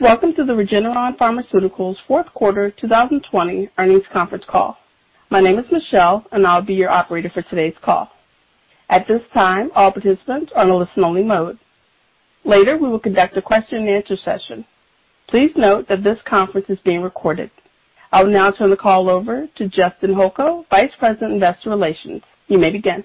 Welcome to the Regeneron Pharmaceuticals fourth quarter 2020 earnings conference call. My name is Michelle, and I'll be your operator for today's call. At this time, all participants are in listen only mode. Later, we will conduct a question-and answer-session. Please note that this conference is being recorded. I will now turn the call over to Justin Holko, Vice President, Investor Relations. You may begin.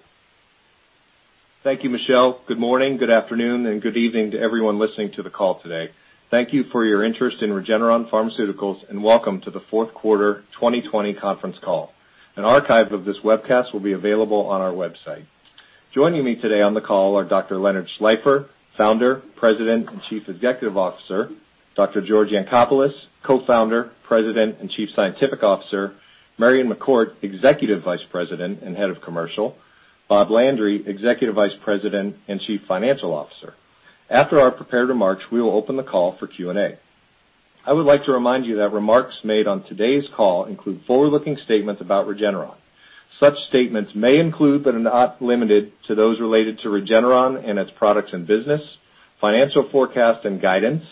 Thank you, Michelle. Good morning, good afternoon, and good evening to everyone listening to the call today. Thank you for your interest in Regeneron Pharmaceuticals, and welcome to the fourth quarter 2020 conference call. An archive of this webcast will be available on our website. Joining me today on the call are Dr. Leonard Schleifer, Founder, President, and Chief Executive Officer, Dr. George Yancopoulos, Co-Founder, President, and Chief Scientific Officer, Marion McCourt, Executive Vice President and Head of Commercial, Bob Landry, Executive Vice President and Chief Financial Officer. After our prepared remarks, we will open the call for Q&A. I would like to remind you that remarks made on today's call include forward-looking statements about Regeneron. Such statements may include, but are not limited to, those related to Regeneron and its products and business, financial forecast and guidance,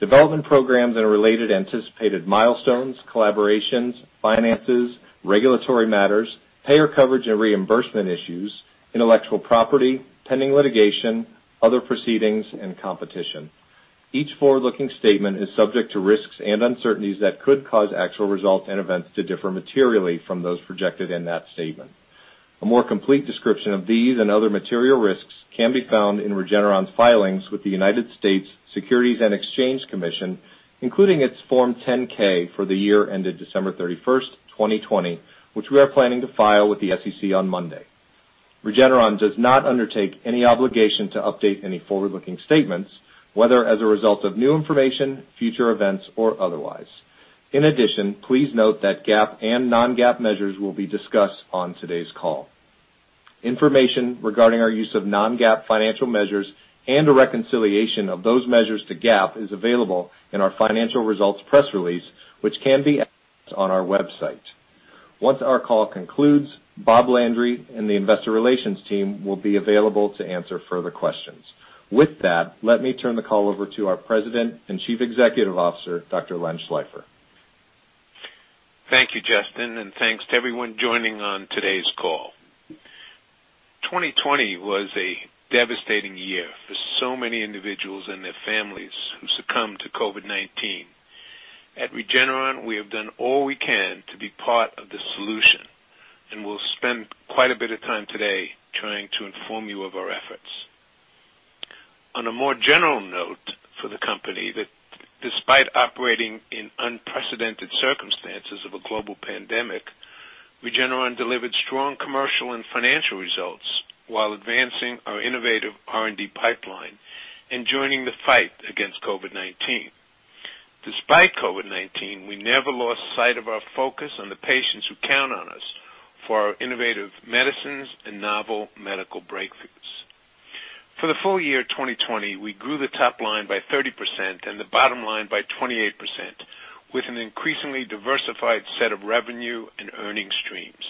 development programs and related anticipated milestones, collaborations, finances, regulatory matters, payer coverage and reimbursement issues, intellectual property, pending litigation, other proceedings, and competition. Each forward-looking statement is subject to risks and uncertainties that could cause actual results and events to differ materially from those projected in that statement. A more complete description of these and other material risks can be found in Regeneron's filings with the United States Securities and Exchange Commission, including its Form 10-K for the year ended December 31st, 2020, which we are planning to file with the SEC on Monday. Regeneron does not undertake any obligation to update any forward-looking statements, whether as a result of new information, future events, or otherwise. In addition, please note that GAAP and non-GAAP measures will be discussed on today's call. Information regarding our use of non-GAAP financial measures and a reconciliation of those measures to GAAP is available in our financial results press release, which can be accessed on our website. Once our call concludes, Bob Landry and the Investor Relations team will be available to answer further questions. With that, let me turn the call over to our President and Chief Executive Officer, Dr. Len Schleifer. Thank you, Justin, and thanks to everyone joining on today's call. 2020 was a devastating year for so many individuals and their families who succumbed to COVID-19. At Regeneron, we have done all we can to be part of the solution, and we'll spend quite a bit of time today trying to inform you of our efforts. On a more general note for the company that despite operating in unprecedented circumstances of a global pandemic, Regeneron delivered strong commercial and financial results while advancing our innovative R&D pipeline and joining the fight against COVID-19. Despite COVID-19, we never lost sight of our focus on the patients who count on us for our innovative medicines and novel medical breakthroughs. For the full year 2020, we grew the top line by 30% and the bottom line by 28%, with an increasingly diversified set of revenue and earning streams.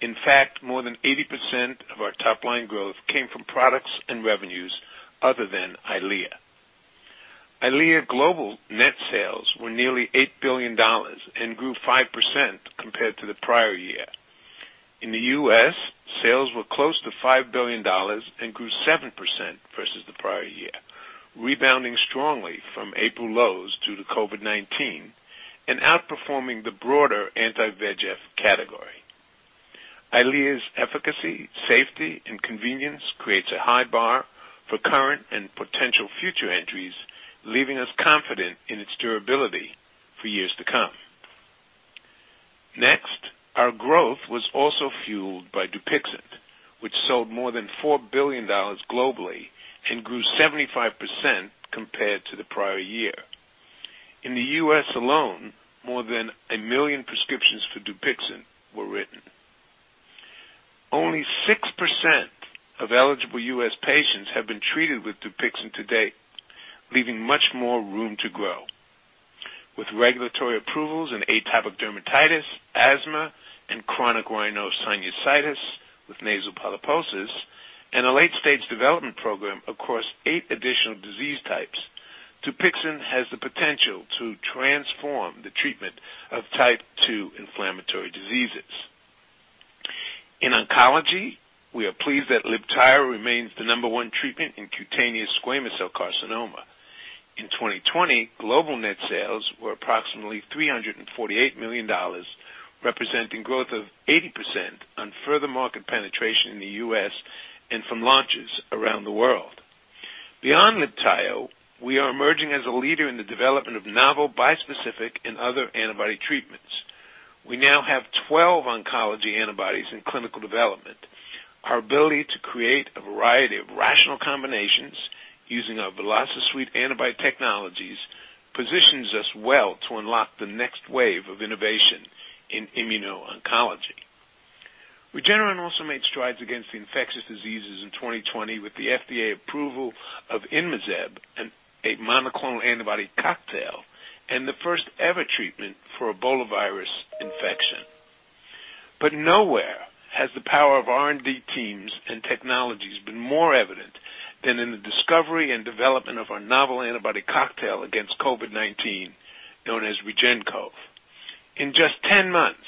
In fact, more than 80% of our top-line growth came from products and revenues other than EYLEA. EYLEA global net sales were nearly $8 billion and grew 5% compared to the prior year. In the U.S., sales were close to $5 billion and grew 7% versus the prior year, rebounding strongly from April lows due to COVID-19 and outperforming the broader anti-VEGF category. EYLEA's efficacy, safety, and convenience creates a high bar for current and potential future entries, leaving us confident in its durability for years to come. Our growth was also fueled by DUPIXENT, which sold more than $4 billion globally and grew 75% compared to the prior year. In the U.S. alone, more than 1 million prescriptions for DUPIXENT were written. Only 6% of eligible U.S. patients have been treated with DUPIXENT to date, leaving much more room to grow. With regulatory approvals in atopic dermatitis, asthma, and chronic rhinosinusitis with nasal polyposis, and a late-stage development program across eight additional disease types, DUPIXENT has the potential to transform the treatment of type II inflammatory diseases. In oncology, we are pleased that LIBTAYO remains the number one treatment in cutaneous squamous cell carcinoma. In 2020, global net sales were approximately $348 million, representing growth of 80% on further market penetration in the U.S. and from launches around the world. Beyond LIBTAYO, we are emerging as a leader in the development of novel bispecific and other antibody treatments. We now have 12 oncology antibodies in clinical development. Our ability to create a variety of rational combinations using our VelociSuite antibody technologies positions us well to unlock the next wave of innovation in immuno-oncology. Regeneron also made strides against infectious diseases in 2020 with the FDA approval of INMAZEB, a monoclonal antibody cocktail and the first-ever treatment for Ebola virus infection. Nowhere has the power of R&D teams and technologies been more evident than in the discovery and development of our novel antibody cocktail against COVID-19, known as REGEN-COV. In just 10 months,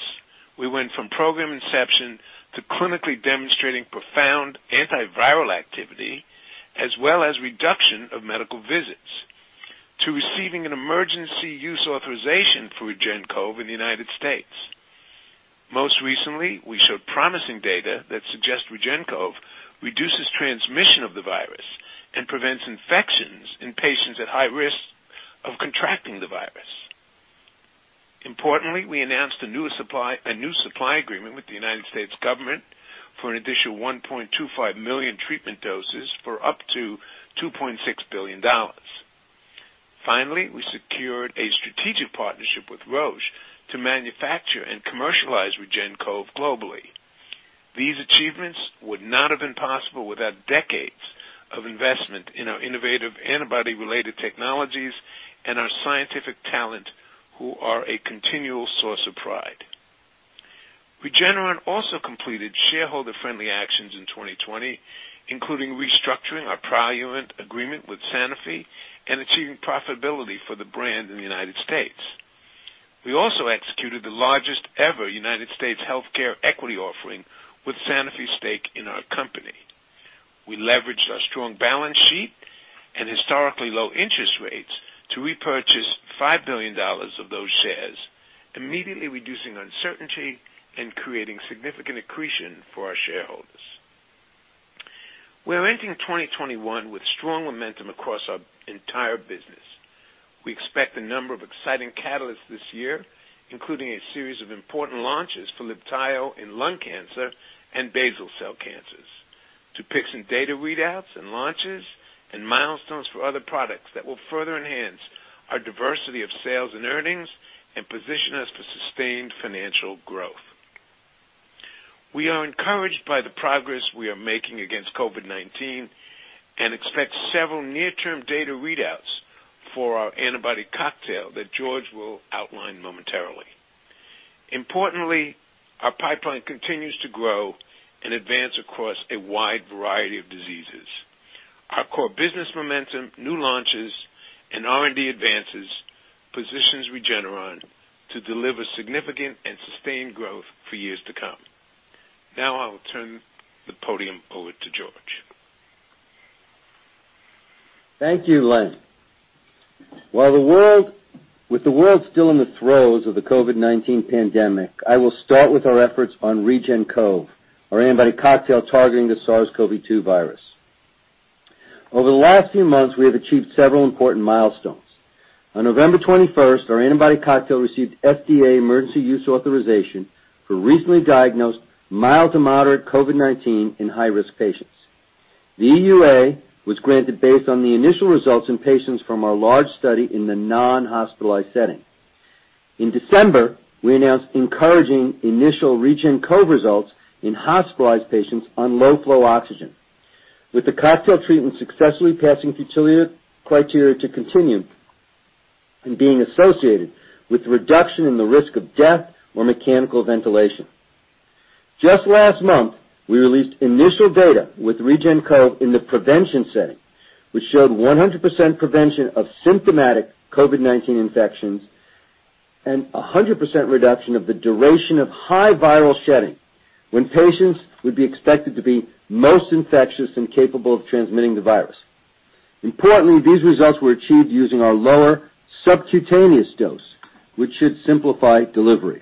we went from program inception to clinically demonstrating profound antiviral activity, as well as reduction of medical visits, to receiving an emergency use authorization for REGEN-COV in the United States. Most recently, we showed promising data that suggests REGEN-COV reduces transmission of the virus and prevents infections in patients at high risk of contracting the virus. Importantly, we announced a new supply agreement with the United States government for an additional 1.25 million treatment doses for up to $2.6 billion. Finally, we secured a strategic partnership with Roche to manufacture and commercialize REGEN-COV globally. These achievements would not have been possible without decades of investment in our innovative antibody-related technologies and our scientific talent, who are a continual source of pride. Regeneron also completed shareholder-friendly actions in 2020, including restructuring our Praluent agreement with Sanofi and achieving profitability for the brand in the U.S. We also executed the largest-ever U.S. healthcare equity offering with Sanofi's stake in our company. We leveraged our strong balance sheet and historically low interest rates to repurchase $5 billion of those shares, immediately reducing uncertainty and creating significant accretion for our shareholders. We're entering 2021 with strong momentum across our entire business. We expect a number of exciting catalysts this year, including a series of important launches for LIBTAYO in lung cancer and basal cell cancers, DUPIXENT data readouts and launches, and milestones for other products that will further enhance our diversity of sales and earnings and position us for sustained financial growth. We are encouraged by the progress we are making against COVID-19 and expect several near-term data readouts for our antibody cocktail that George will outline momentarily. Our pipeline continues to grow and advance across a wide variety of diseases. Our core business momentum, new launches, and R&D advances positions Regeneron to deliver significant and sustained growth for years to come. I'll turn the podium over to George. Thank you, Len. With the world still in the throes of the COVID-19 pandemic, I will start with our efforts on REGEN-COV, our antibody cocktail targeting the SARS-CoV-2 virus. Over the last few months, we have achieved several important milestones. On November 21st, our antibody cocktail received FDA emergency use authorization for recently diagnosed mild to moderate COVID-19 in high-risk patients. The EUA was granted based on the initial results in patients from our large study in the non-hospitalized setting. In December, we announced encouraging initial REGEN-COV results in hospitalized patients on low-flow oxygen, with the cocktail treatment successfully passing criteria to continue and being associated with reduction in the risk of death or mechanical ventilation. Just last month, we released initial data with REGEN-COV in the prevention setting, which showed 100% prevention of symptomatic COVID-19 infections and 100% reduction of the duration of high viral shedding when patients would be expected to be most infectious and capable of transmitting the virus. Importantly, these results were achieved using our lower subcutaneous dose, which should simplify delivery.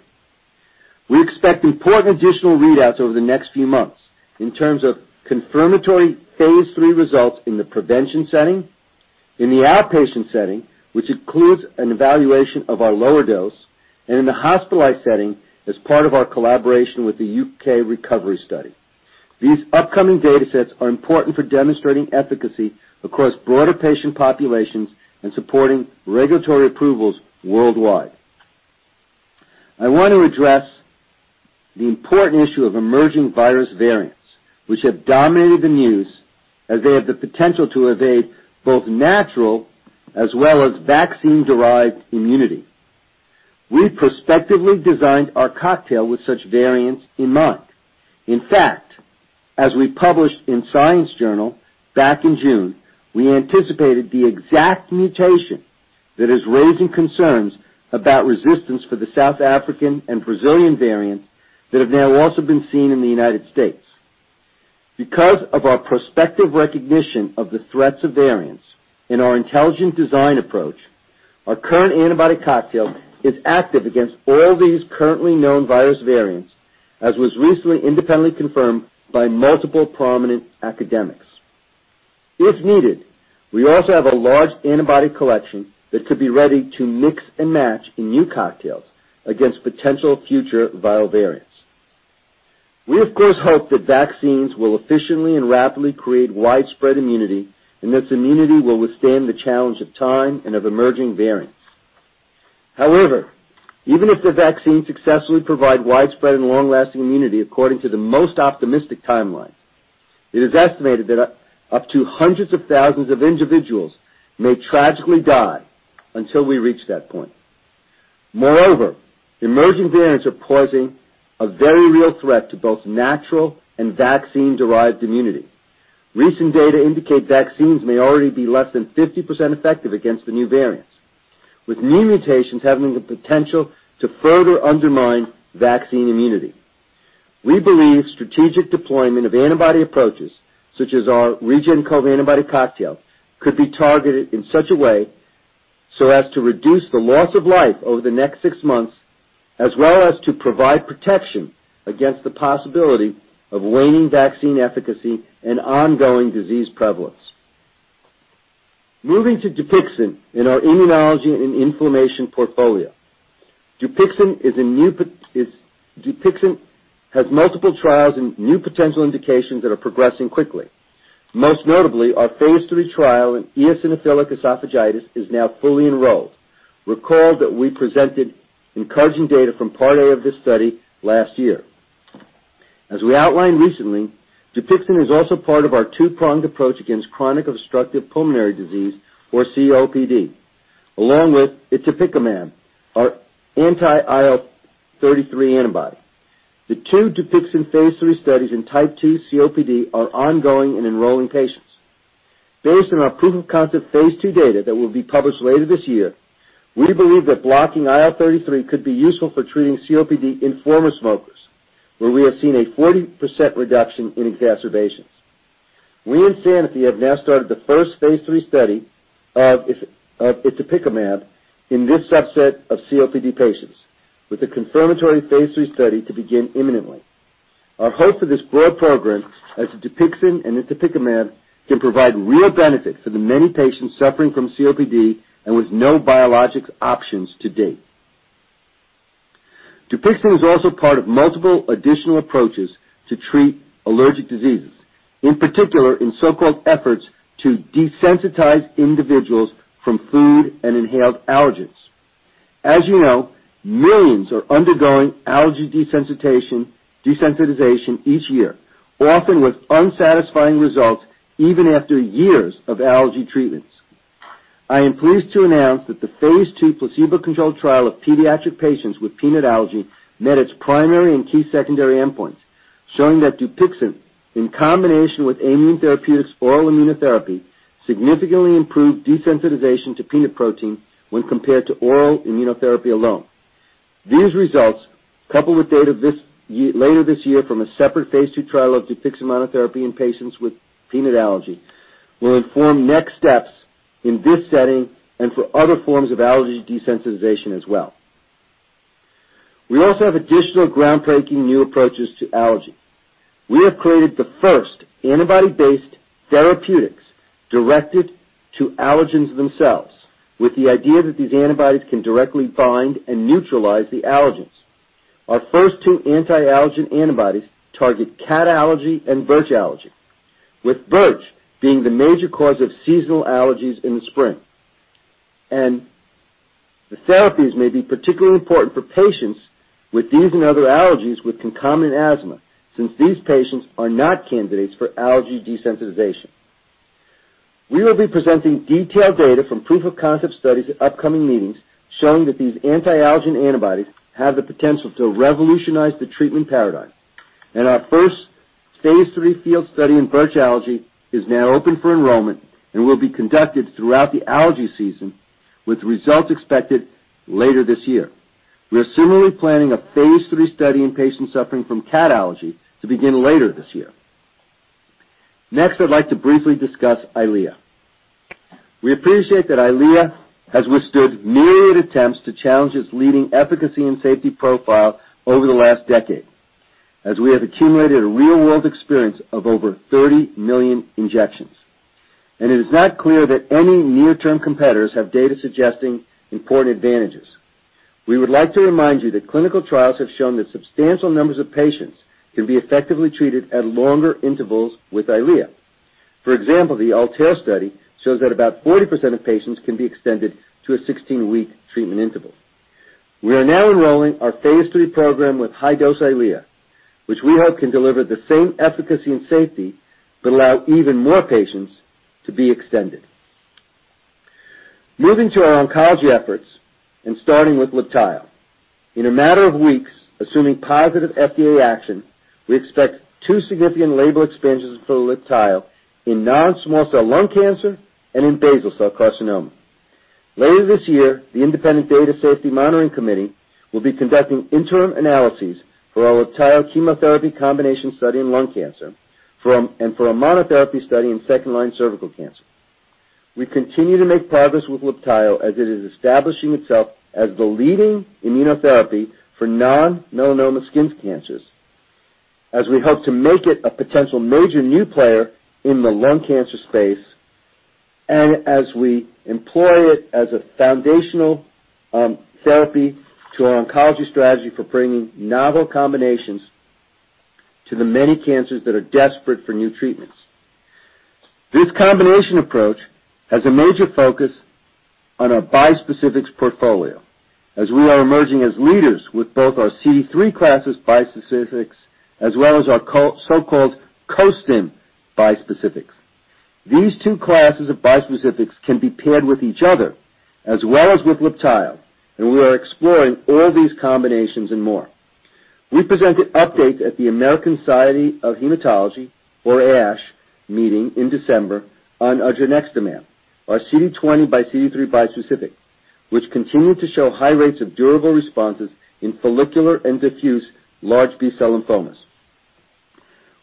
We expect important additional readouts over the next few months in terms of confirmatory phase III results in the prevention setting, in the outpatient setting, which includes an evaluation of our lower dose, and in the hospitalized setting as part of our collaboration with the U.K. RECOVERY Trial. These upcoming data sets are important for demonstrating efficacy across broader patient populations and supporting regulatory approvals worldwide. I want to address the important issue of emerging virus variants, which have dominated the news, as they have the potential to evade both natural as well as vaccine-derived immunity. We prospectively designed our cocktail with such variants in mind. In fact, as we published in Science back in June, we anticipated the exact mutation that is raising concerns about resistance for the South African and Brazilian variants that have now also been seen in the U.S. Because of our prospective recognition of the threats of variants and our intelligent design approach, our current antibody cocktail is active against all these currently known virus variants, as was recently independently confirmed by multiple prominent academics. If needed, we also have a large antibody collection that could be ready to mix and match in new cocktails against potential future viral variants. We, of course, hope that vaccines will efficiently and rapidly create widespread immunity, and this immunity will withstand the challenge of time and of emerging variants. However, even if the vaccines successfully provide widespread and long-lasting immunity according to the most optimistic timeline. It is estimated that up to hundreds of thousands of individuals may tragically die until we reach that point. Moreover, emerging variants are posing a very real threat to both natural and vaccine-derived immunity. Recent data indicate vaccines may already be less than 50% effective against the new variants, with new mutations having the potential to further undermine vaccine immunity. We believe strategic deployment of antibody approaches, such as our REGEN-COV antibody cocktail, could be targeted in such a way so as to reduce the loss of life over the next six months, as well as to provide protection against the possibility of waning vaccine efficacy and ongoing disease prevalence. Moving to DUPIXENT in our immunology and inflammation portfolio. DUPIXENT has multiple trials and new potential indications that are progressing quickly. Most notably, our phase III trial in eosinophilic esophagitis is now fully enrolled. Recall that we presented encouraging data from part A of this study last year. As we outlined recently, DUPIXENT is also part of our two-pronged approach against chronic obstructive pulmonary disease, or COPD, along with itepekimab, our anti-IL-33 antibody. The two DUPIXENT phase III studies in type 2 COPD are ongoing and enrolling patients. Based on our proof of concept phase II data that will be published later this year, we believe that blocking IL-33 could be useful for treating COPD in former smokers, where we have seen a 40% reduction in exacerbations. We and Sanofi have now started the first phase III study of itepekimab in this subset of COPD patients, with the confirmatory phase III study to begin imminently. Our hope for this broad program as DUPIXENT and itepekimab can provide real benefit for the many patients suffering from COPD and with no biologics options to date. DUPIXENT is also part of multiple additional approaches to treat allergic diseases, in particular in so-called efforts to desensitize individuals from food and inhaled allergens. As you know, millions are undergoing allergy desensitization each year, often with unsatisfying results even after years of allergy treatments. I am pleased to announce that the phase II placebo-controlled trial of pediatric patients with peanut allergy met its primary and key secondary endpoints, showing that DUPIXENT, in combination with Aimmune Therapeutics' oral immunotherapy, significantly improved desensitization to peanut protein when compared to oral immunotherapy alone. These results, coupled with data later this year from a separate phase II trial of DUPIXENT monotherapy in patients with peanut allergy, will inform next steps in this setting and for other forms of allergy desensitization as well. We also have additional groundbreaking new approaches to allergy. We have created the first antibody-based therapeutics directed to allergens themselves, with the idea that these antibodies can directly bind and neutralize the allergens. Our first two anti-allergen antibodies target cat allergy and birch allergy, with birch being the major cause of seasonal allergies in the spring. The therapies may be particularly important for patients with these and other allergies with concomitant asthma, since these patients are not candidates for allergy desensitization. We will be presenting detailed data from proof of concept studies at upcoming meetings showing that these anti-allergen antibodies have the potential to revolutionize the treatment paradigm. Our first phase III field study in birch allergy is now open for enrollment and will be conducted throughout the allergy season with results expected later this year. We are similarly planning a phase III study in patients suffering from cat allergy to begin later this year. Next, I'd like to briefly discuss EYLEA. We appreciate that EYLEA has withstood myriad attempts to challenge its leading efficacy and safety profile over the last decade, as we have accumulated a real-world experience of over 30 million injections. It is not clear that any near-term competitors have data suggesting important advantages. We would like to remind you that clinical trials have shown that substantial numbers of patients can be effectively treated at longer intervals with EYLEA. For example, the ALTAIR study shows that about 40% of patients can be extended to a 16-week treatment interval. We are now enrolling our phase III program with high-dose EYLEA, which we hope can deliver the same efficacy and safety, but allow even more patients to be extended. Moving to our oncology efforts and starting with LIBTAYO. In a matter of weeks, assuming positive FDA action, we expect two significant label expansions for LIBTAYO in non-small cell lung cancer and in basal cell carcinoma. Later this year, the independent Data Safety Monitoring Committee will be conducting interim analyses for our LIBTAYO chemotherapy combination study in lung cancer and for a monotherapy study in second-line cervical cancer. We continue to make progress with LIBTAYO as it is establishing itself as the leading immunotherapy for non-melanoma skin cancers, as we hope to make it a potential major new player in the lung cancer space, and as we employ it as a foundational therapy to our oncology strategy for bringing novel combinations to the many cancers that are desperate for new treatments. This combination approach has a major focus on our bispecifics portfolio, as we are emerging as leaders with both our CD3 classes bispecifics, as well as our so-called costim bispecifics. These two classes of bispecifics can be paired with each other, as well as with LIBTAYO, and we are exploring all these combinations and more. We presented updates at the American Society of Hematology, or ASH, meeting in December on odronextamab, our CD20xCD3 bispecific, which continued to show high rates of durable responses in follicular and diffuse large B-cell lymphomas.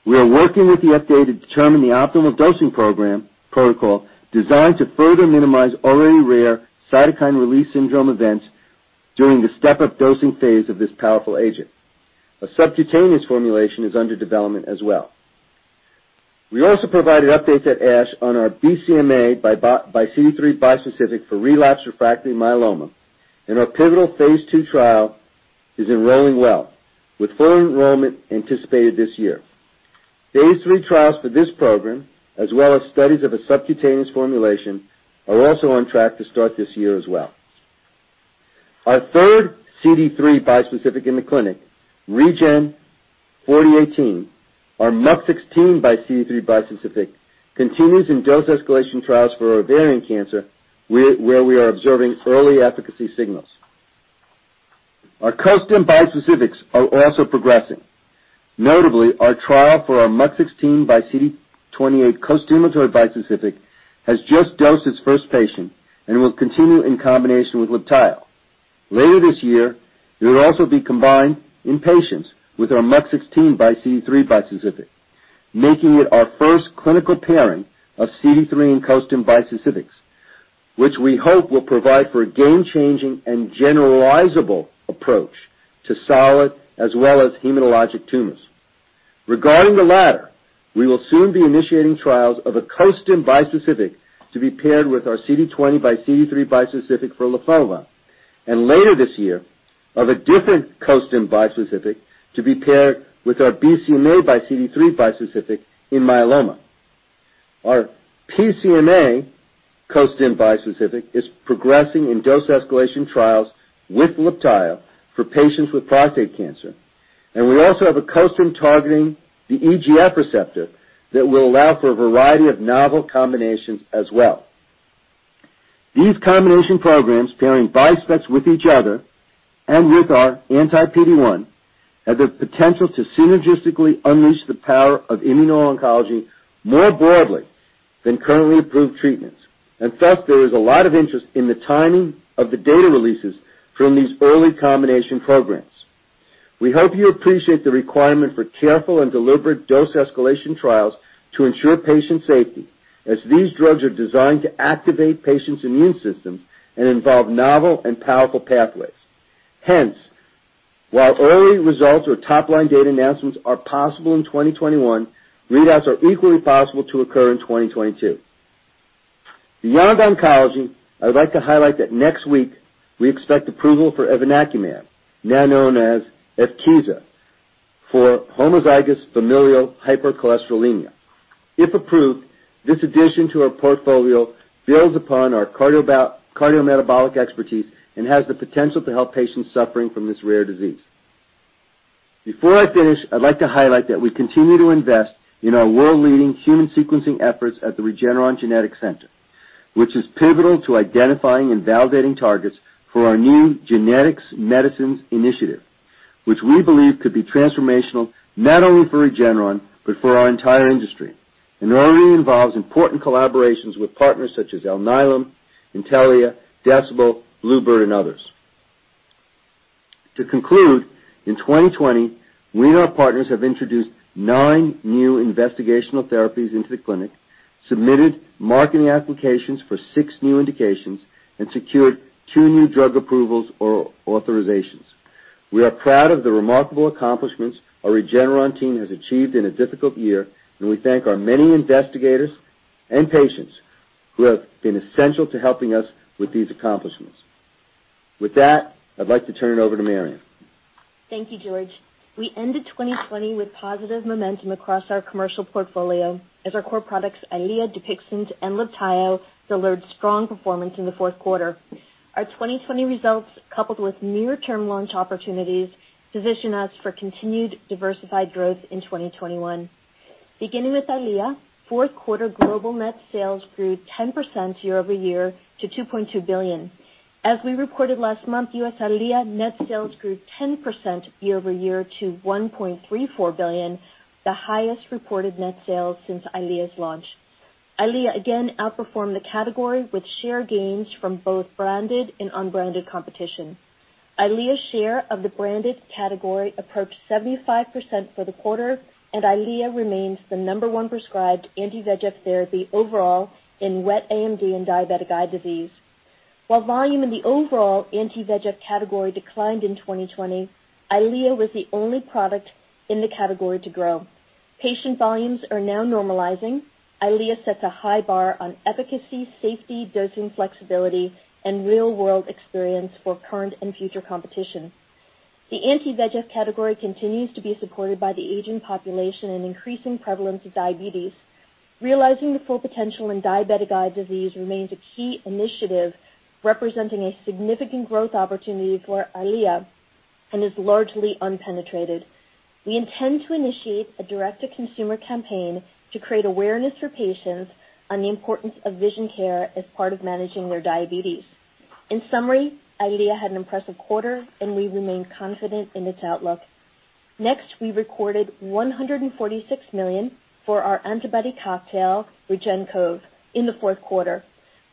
We are working with the FDA to determine the optimal dosing protocol designed to further minimize already rare cytokine release syndrome events during the step-up dosing phase of this powerful agent. A subcutaneous formulation is under development as well. We also provided updates at ASH on our BCMAxCD3 bispecific for relapse refractory myeloma, and our pivotal phase II trial is enrolling well, with full enrollment anticipated this year. Phase III trials for this program, as well as studies of a subcutaneous formulation, are also on track to start this year as well. Our third CD3 bispecific in the clinic, REGN4018, our MUC16xCD3 bispecific, continues in dose escalation trials for ovarian cancer, where we are observing early efficacy signals. Our costim bispecifics are also progressing. Notably, our trial for our MUC16xCD28 costimulatory bispecific has just dosed its first patient and will continue in combination with LIBTAYO. Later this year, it will also be combined in patients with our MUC16xCD3 bispecific, making it our first clinical pairing of CD3 and costim bispecifics, which we hope will provide for a game-changing and generalizable approach to solid as well as hematologic tumors. Regarding the latter, we will soon be initiating trials of a costim bispecific to be paired with our CD20xCD3 bispecific for lymphoma, and later this year, of a different costim bispecific to be paired with our BCMAxCD3 bispecific in myeloma. Our PSMA costim bispecific is progressing in dose escalation trials with LIBTAYO for patients with prostate cancer. We also have a costim targeting the EGF receptor that will allow for a variety of novel combinations as well. These combination programs pairing bispecs with each other and with our anti-PD-1 have the potential to synergistically unleash the power of immuno-oncology more broadly than currently approved treatments. Thus, there is a lot of interest in the timing of the data releases from these early combination programs. We hope you appreciate the requirement for careful and deliberate dose escalation trials to ensure patient safety, as these drugs are designed to activate patients' immune systems and involve novel and powerful pathways. Hence, while early results or top-line data announcements are possible in 2021, readouts are equally possible to occur in 2022. Beyond oncology, I'd like to highlight that next week we expect approval for evinacumab, now known as EVKEEZA, for homozygous familial hypercholesterolemia. If approved, this addition to our portfolio builds upon our cardiometabolic expertise and has the potential to help patients suffering from this rare disease. Before I finish, I'd like to highlight that we continue to invest in our world-leading human sequencing efforts at the Regeneron Genetics Center, which is pivotal to identifying and validating targets for our new genetics medicines initiative, which we believe could be transformational, not only for Regeneron, but for our entire industry, and already involves important collaborations with partners such as Alnylam, Intellia, Decibel, Bluebird, and others. To conclude, in 2020, we and our partners have introduced nine new investigational therapies into the clinic, submitted marketing applications for six new indications, and secured two new drug approvals or authorizations. We are proud of the remarkable accomplishments our Regeneron team has achieved in a difficult year. We thank our many investigators and patients who have been essential to helping us with these accomplishments. With that, I'd like to turn it over to Marion. Thank you, George. We ended 2020 with positive momentum across our commercial portfolio as our core products, EYLEA, DUPIXENT, and LIBTAYO, delivered strong performance in the fourth quarter. Our 2020 results, coupled with near-term launch opportunities, position us for continued diversified growth in 2021. Beginning with EYLEA, fourth quarter global net sales grew 10% year-over-year to $2.2 billion. As we reported last month, U.S. EYLEA net sales grew 10% year-over-year to $1.34 billion, the highest reported net sales since EYLEA's launch. EYLEA again outperformed the category with share gains from both branded and unbranded competition. EYLEA's share of the branded category approached 75% for the quarter, EYLEA remains the number one prescribed anti-VEGF therapy overall in wet AMD and diabetic eye disease. While volume in the overall anti-VEGF category declined in 2020, EYLEA was the only product in the category to grow. Patient volumes are now normalizing. EYLEA sets a high bar on efficacy, safety, dosing flexibility, and real-world experience for current and future competition. The anti-VEGF category continues to be supported by the aging population and increasing prevalence of diabetes. Realizing the full potential in diabetic eye disease remains a key initiative, representing a significant growth opportunity for EYLEA and is largely unpenetrated. We intend to initiate a direct-to-consumer campaign to create awareness for patients on the importance of vision care as part of managing their diabetes. In summary, EYLEA had an impressive quarter, and we remain confident in its outlook. Next, we recorded $146 million for our antibody cocktail, REGEN-COV, in the fourth quarter.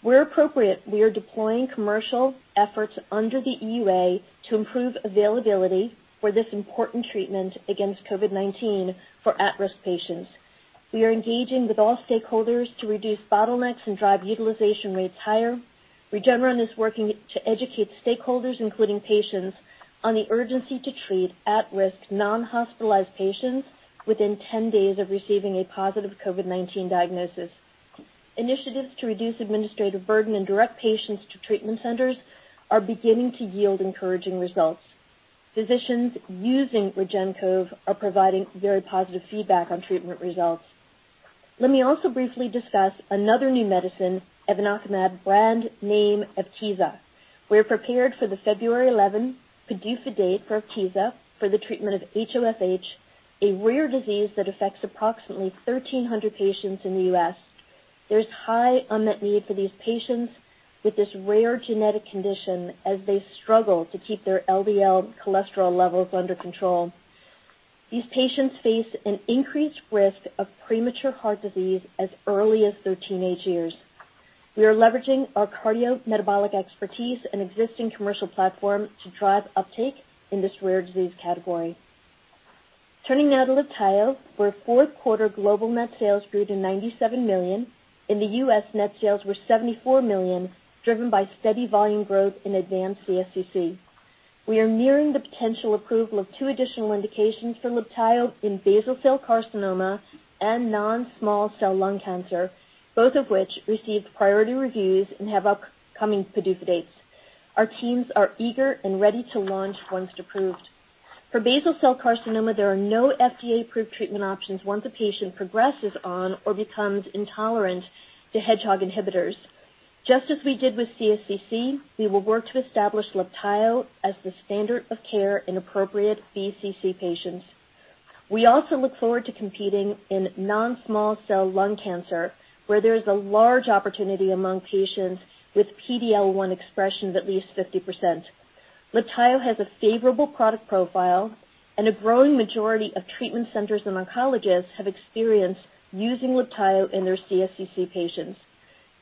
Where appropriate, we are deploying commercial efforts under the EUA to improve availability for this important treatment against COVID-19 for at-risk patients. We are engaging with all stakeholders to reduce bottlenecks and drive utilization rates higher. Regeneron is working to educate stakeholders, including patients, on the urgency to treat at-risk, non-hospitalized patients within 10 days of receiving a positive COVID-19 diagnosis. Initiatives to reduce administrative burden and direct patients to treatment centers are beginning to yield encouraging results. Physicians using REGEN-COV are providing very positive feedback on treatment results. Let me also briefly discuss another new medicine, evinacumab, brand name EVKEEZA. We are prepared for the February 11 PDUFA date for EVKEEZA for the treatment of HoFH, a rare disease that affects approximately 1,300 patients in the U.S. There's high unmet need for these patients with this rare genetic condition as they struggle to keep their LDL cholesterol levels under control. These patients face an increased risk of premature heart disease as early as their teenage years. We are leveraging our cardiometabolic expertise and existing commercial platform to drive uptake in this rare disease category. Turning now to LIBTAYO, where fourth quarter global net sales grew to $97 million. In the U.S., net sales were $74 million, driven by steady volume growth in advanced CSCC. We are nearing the potential approval of 2 additional indications for LIBTAYO in basal cell carcinoma and non-small cell lung cancer, both of which received priority reviews and have upcoming PDUFA dates. Our teams are eager and ready to launch once approved. For basal cell carcinoma, there are no FDA-approved treatment options once a patient progresses on or becomes intolerant to hedgehog inhibitors. Just as we did with CSCC, we will work to establish LIBTAYO as the standard of care in appropriate BCC patients. We also look forward to competing in non-small cell lung cancer, where there is a large opportunity among patients with PD-L1 expressions at least 50%. Libtayo has a favorable product profile and a growing majority of treatment centers and oncologists have experience using Libtayo in their CSCC patients.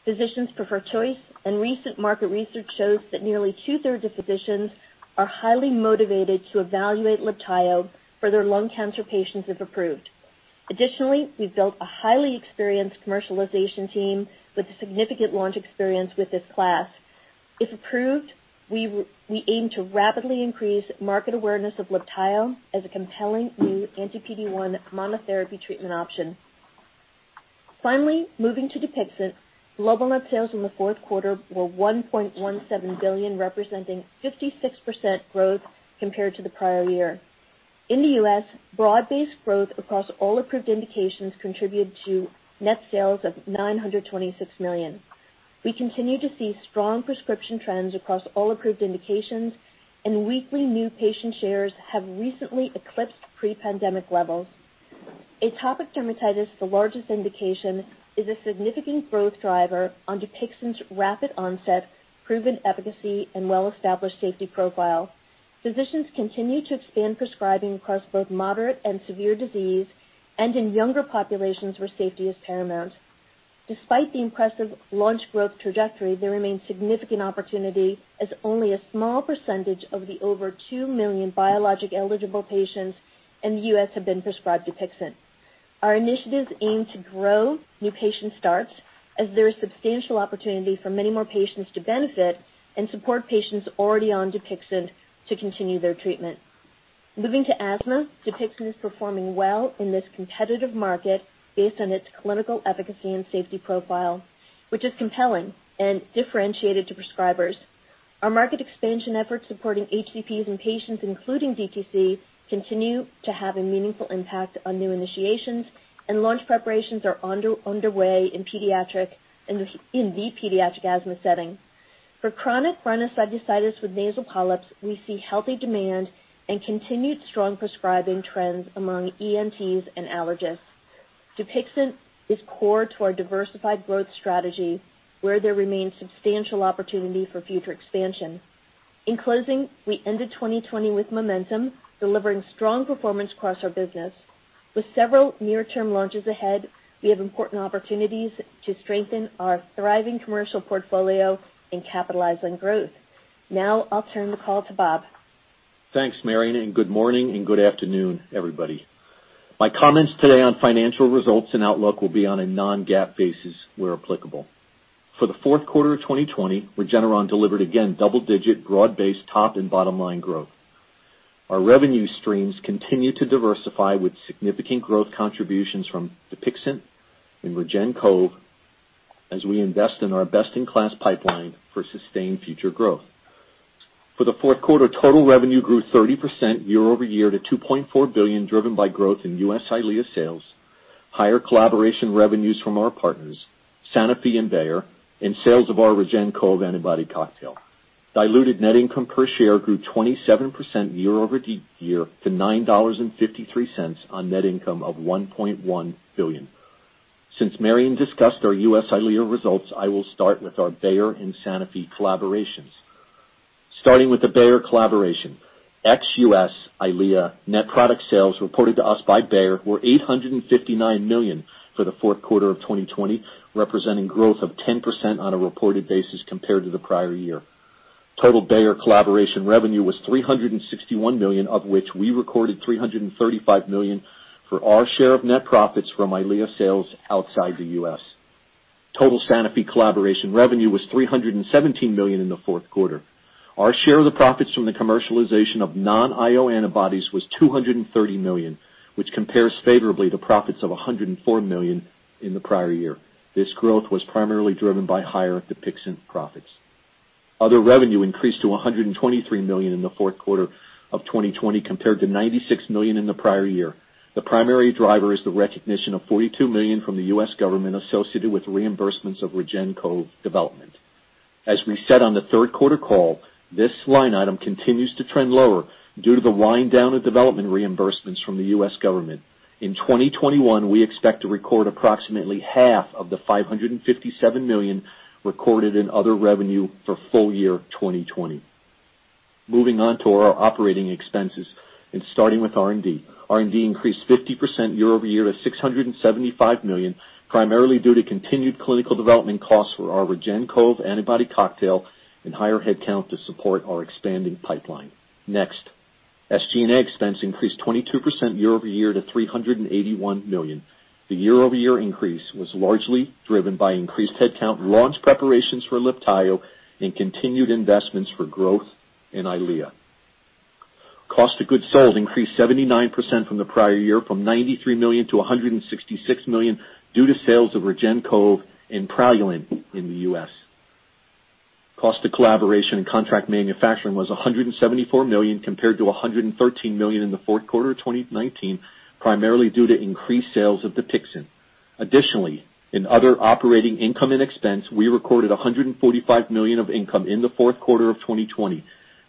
Physicians prefer choice, recent market research shows that nearly two-thirds of physicians are highly motivated to evaluate Libtayo for their lung cancer patients if approved. Additionally, we've built a highly experienced commercialization team with significant launch experience with this class. If approved, we aim to rapidly increase market awareness of Libtayo as a compelling new anti-PD-1 monotherapy treatment option. Finally, moving to Dupixent, global net sales in the fourth quarter were $1.17 billion, representing 56% growth compared to the prior year. In the U.S., broad-based growth across all approved indications contributed to net sales of $926 million. We continue to see strong prescription trends across all approved indications, weekly new patient shares have recently eclipsed pre-pandemic levels. Atopic dermatitis, the largest indication, is a significant growth driver on DUPIXENT's rapid onset, proven efficacy, and well-established safety profile. Physicians continue to expand prescribing across both moderate and severe disease and in younger populations where safety is paramount. Despite the impressive launch growth trajectory, there remains significant opportunity as only a small percentage of the over 2 million biologic-eligible patients in the U.S. have been prescribed DUPIXENT. Our initiatives aim to grow new patient starts as there is substantial opportunity for many more patients to benefit and support patients already on DUPIXENT to continue their treatment. Moving to asthma, DUPIXENT is performing well in this competitive market based on its clinical efficacy and safety profile, which is compelling and differentiated to prescribers. Our market expansion efforts supporting HCPs and patients, including DTC, continue to have a meaningful impact on new initiations. Launch preparations are underway in the pediatric asthma setting. For chronic rhinosinusitis with nasal polyps, we see healthy demand and continued strong prescribing trends among ENTs and allergists. DUPIXENT is core to our diversified growth strategy, where there remains substantial opportunity for future expansion. In closing, we ended 2020 with momentum, delivering strong performance across our business. With several near-term launches ahead, we have important opportunities to strengthen our thriving commercial portfolio and capitalize on growth. Now, I'll turn the call to Bob. Thanks, Marion. Good morning, and good afternoon, everybody. My comments today on financial results and outlook will be on a non-GAAP basis, where applicable. For the fourth quarter of 2020, Regeneron delivered again double-digit broad-based top and bottom line growth. Our revenue streams continue to diversify with significant growth contributions from DUPIXENT and REGEN-COV as we invest in our best-in-class pipeline for sustained future growth. For the fourth quarter, total revenue grew 30% year-over-year to $2.4 billion, driven by growth in U.S. EYLEA sales, higher collaboration revenues from our partners, Sanofi and Bayer, and sales of our REGEN-COV antibody cocktail. Diluted net income per share grew 27% year-over-year to $9.53 on net income of $1.1 billion. Since Marion discussed our U.S. EYLEA results, I will start with our Bayer and Sanofi collaborations. Starting with the Bayer collaboration, ex-U.S. EYLEA net product sales reported to us by Bayer were $859 million for the fourth quarter of 2020, representing growth of 10% on a reported basis compared to the prior year. Total Bayer collaboration revenue was $361 million, of which we recorded $335 million for our share of net profits from EYLEA sales outside the U.S. Total Sanofi collaboration revenue was $317 million in the fourth quarter. Our share of the profits from the commercialization of non-IO antibodies was $230 million, which compares favorably to profits of $104 million in the prior year. This growth was primarily driven by higher DUPIXENT profits. Other revenue increased to $123 million in the fourth quarter of 2020 compared to $96 million in the prior year. The primary driver is the recognition of $42 million from the U.S. government associated with reimbursements of REGEN-COV development. As we said on the third quarter call, this line item continues to trend lower due to the wind-down of development reimbursements from the U.S. government. In 2021, we expect to record approximately half of the $557 million recorded in other revenue for full year 2020. Moving on to our operating expenses and starting with R&D. R&D increased 50% year-over-year to $675 million, primarily due to continued clinical development costs for our REGEN-COV antibody cocktail and higher headcount to support our expanding pipeline. Next, SG&A expense increased 22% year-over-year to $381 million. The year-over-year increase was largely driven by increased headcount, launch preparations for LIBTAYO, and continued investments for growth in EYLEA. Cost of goods sold increased 79% from the prior year from $93 million to $166 million due to sales of REGEN-COV and Praluent in the U.S. Cost of collaboration and contract manufacturing was $174 million compared to $113 million in the fourth quarter of 2019, primarily due to increased sales of DUPIXENT. In other operating income and expense, we recorded $145 million of income in the fourth quarter of 2020.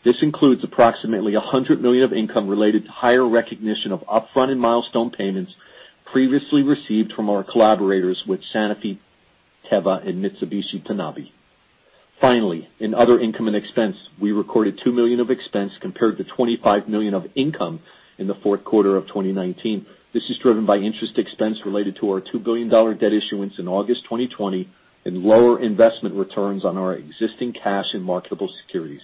This includes approximately $100 million of income related to higher recognition of upfront and milestone payments previously received from our collaborators with Sanofi, Teva, and Mitsubishi Tanabe. In other income and expense, we recorded $2 million of expense compared to $25 million of income in the fourth quarter of 2019. This is driven by interest expense related to our $2 billion debt issuance in August 2020 and lower investment returns on our existing cash and marketable securities.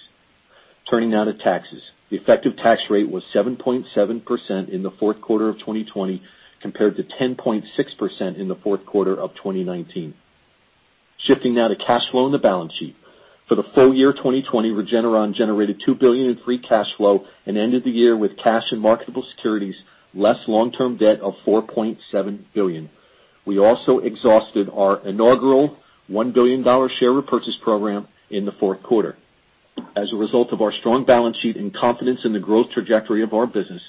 Turning now to taxes. The effective tax rate was 7.7% in the fourth quarter of 2020 compared to 10.6% in the fourth quarter of 2019. Shifting now to cash flow and the balance sheet. For the full year 2020, Regeneron generated $2 billion in free cash flow and ended the year with cash and marketable securities less long-term debt of $4.7 billion. We also exhausted our inaugural $1 billion share repurchase program in the fourth quarter. As a result of our strong balance sheet and confidence in the growth trajectory of our business,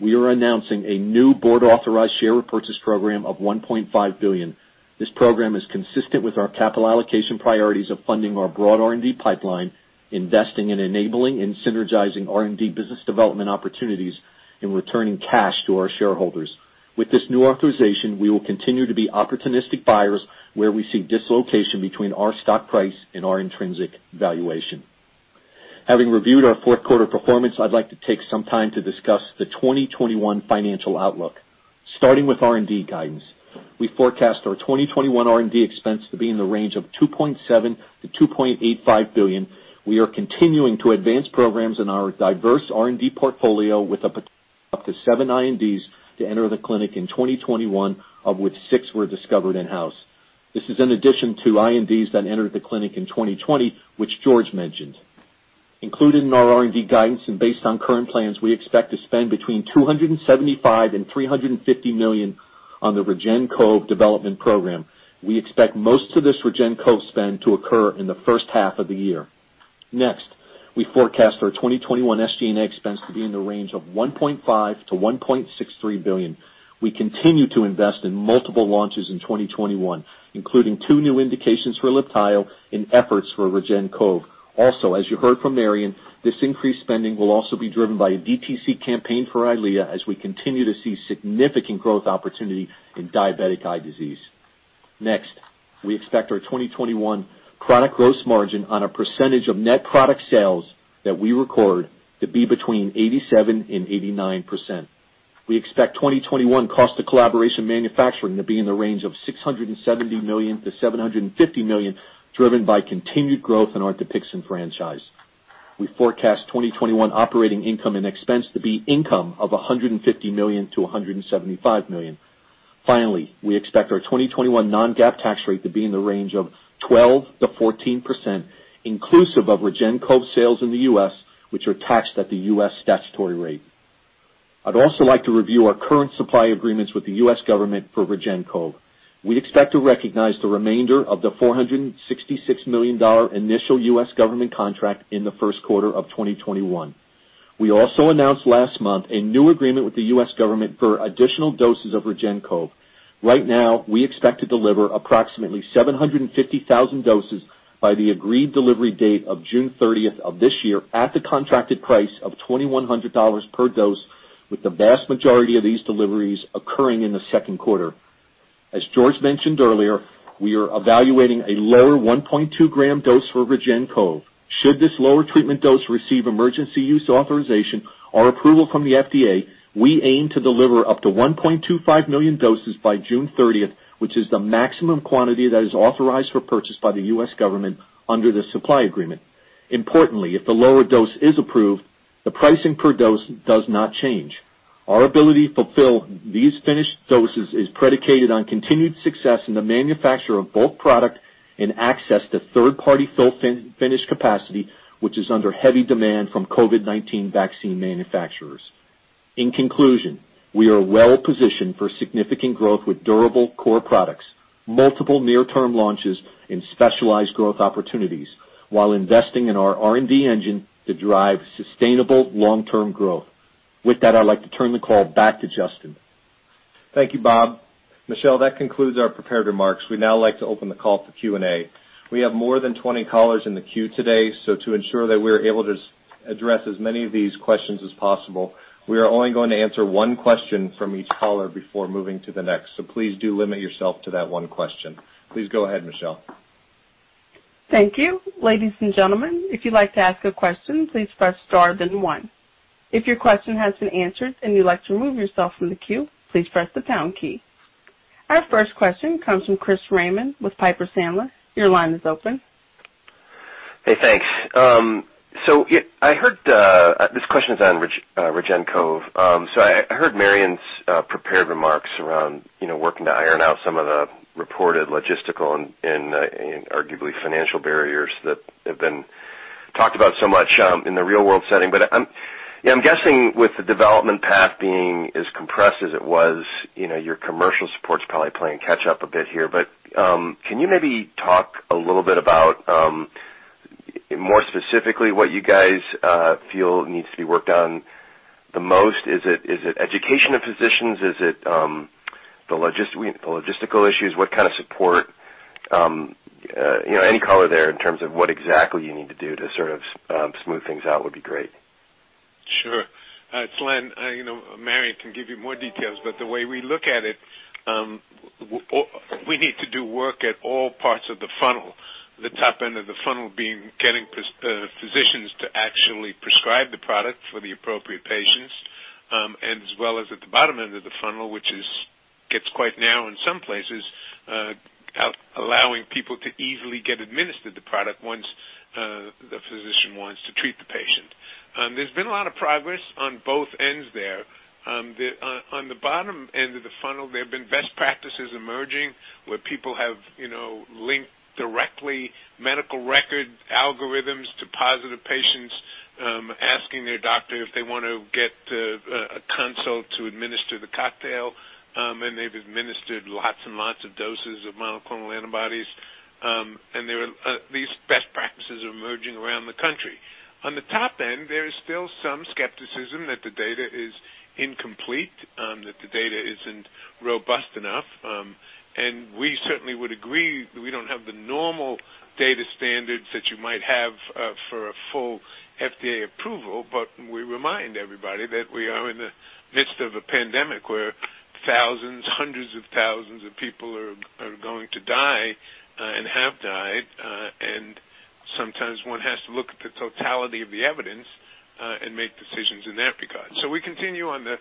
we are announcing a new board-authorized share repurchase program of $1.5 billion. This program is consistent with our capital allocation priorities of funding our broad R&D pipeline, investing in enabling and synergizing R&D business development opportunities, and returning cash to our shareholders. With this new authorization, we will continue to be opportunistic buyers where we see dislocation between our stock price and our intrinsic valuation. Having reviewed our fourth quarter performance, I'd like to take some time to discuss the 2021 financial outlook. Starting with R&D guidance. We forecast our 2021 R&D expense to be in the range of $2.7 billion-$2.85 billion. We are continuing to advance programs in our diverse R&D portfolio with up to seven INDs to enter the clinic in 2021, of which six were discovered in-house. This is in addition to INDs that entered the clinic in 2020, which George mentioned. Included in our R&D guidance and based on current plans, we expect to spend between $275 million and $350 million on the REGEN-COV development program. We expect most of this REGEN-COV spend to occur in the first half of the year. Next, we forecast our 2021 SG&A expense to be in the range of $1.5 billion-$1.63 billion. We continue to invest in multiple launches in 2021, including two new indications for LIBTAYO and efforts for REGEN-COV. As you heard from Marion, this increased spending will also be driven by a DTC campaign for EYLEA as we continue to see significant growth opportunity in diabetic eye disease. We expect our 2021 chronic gross margin on a percentage of net product sales that we record to be between 87% and 89%. We expect 2021 cost of collaboration manufacturing to be in the range of $670 million-$750 million, driven by continued growth in our DUPIXENT franchise. We forecast 2021 operating income and expense to be income of $150 million-$175 million. Finally, we expect our 2021 non-GAAP tax rate to be in the range of 12%-14%, inclusive of REGEN-COV sales in the U.S., which are taxed at the U.S. statutory rate. I'd also like to review our current supply agreements with the U.S. government for REGEN-COV. We expect to recognize the remainder of the $466 million initial U.S. government contract in the first quarter of 2021. We also announced last month a new agreement with the U.S. government for additional doses of REGEN-COV. Right now, we expect to deliver approximately 750,000 doses by the agreed delivery date of June 30th of this year at the contracted price of $2,100 per dose, with the vast majority of these deliveries occurring in the second quarter. As George mentioned earlier, we are evaluating a lower 1.2 g dose for REGEN-COV. Should this lower treatment dose receive emergency use authorization or approval from the FDA, we aim to deliver up to 1.25 million doses by June 30th, which is the maximum quantity that is authorized for purchase by the US government under the supply agreement. Importantly, if the lower dose is approved, the pricing per dose does not change. Our ability to fulfill these finished doses is predicated on continued success in the manufacture of both product and access to third-party fill-finish capacity, which is under heavy demand from COVID-19 vaccine manufacturers. In conclusion, we are well-positioned for significant growth with durable core products, multiple near-term launches, and specialized growth opportunities while investing in our R&D engine to drive sustainable long-term growth. With that, I'd like to turn the call back to Justin. Thank you, Bob. Michelle, that concludes our prepared remarks. We'd now like to open the call for Q&A. We have more than 20 callers in the queue today. To ensure that we're able to address as many of these questions as possible, we are only going to answer one question from each caller before moving to the next. Please do limit yourself to that one question. Please go ahead, Michelle. Thank you. Ladies and gentlemen, if you'd like to ask a question, please press star then one. If your question has been answered and you'd like to remove yourself from the queue, please press the pound key. Our first question comes from Chris Raymond with Piper Sandler. Your line is open. Hey, thanks. This question is on REGEN-COV. I heard Marion's prepared remarks around working to iron out some of the reported logistical and arguably financial barriers that have been talked about so much in the real-world setting. I'm guessing with the development path being as compressed as it was, your commercial support's probably playing catch up a bit here. Can you maybe talk a little bit about more specifically what you guys feel needs to be worked on the most? Is it education of physicians? Is it the logistical issues? Any color there in terms of what exactly you need to do to sort of smooth things out would be great. Sure. It's Len. Marion can give you more details, but the way we look at it, we need to do work at all parts of the funnel, the top end of the funnel being getting physicians to actually prescribe the product for the appropriate patients, and as well as at the bottom end of the funnel, which gets quite narrow in some places, allowing people to easily get administered the product once the physician wants to treat the patient. There's been a lot of progress on both ends there. On the bottom end of the funnel, there have been best practices emerging where people have linked directly medical record algorithms to positive patients asking their doctor if they want to get a consult to administer the cocktail, and they've administered lots and lots of doses of monoclonal antibodies. These best practices are emerging around the country. On the top end, there is still some skepticism that the data is incomplete, that the data isn't robust enough. We certainly would agree we don't have the normal data standards that you might have for a full FDA approval, but we remind everybody that we are in the midst of a pandemic where thousands, hundreds of thousands of people are going to die and have died. Sometimes one has to look at the totality of the evidence and make decisions in that regard. We continue on the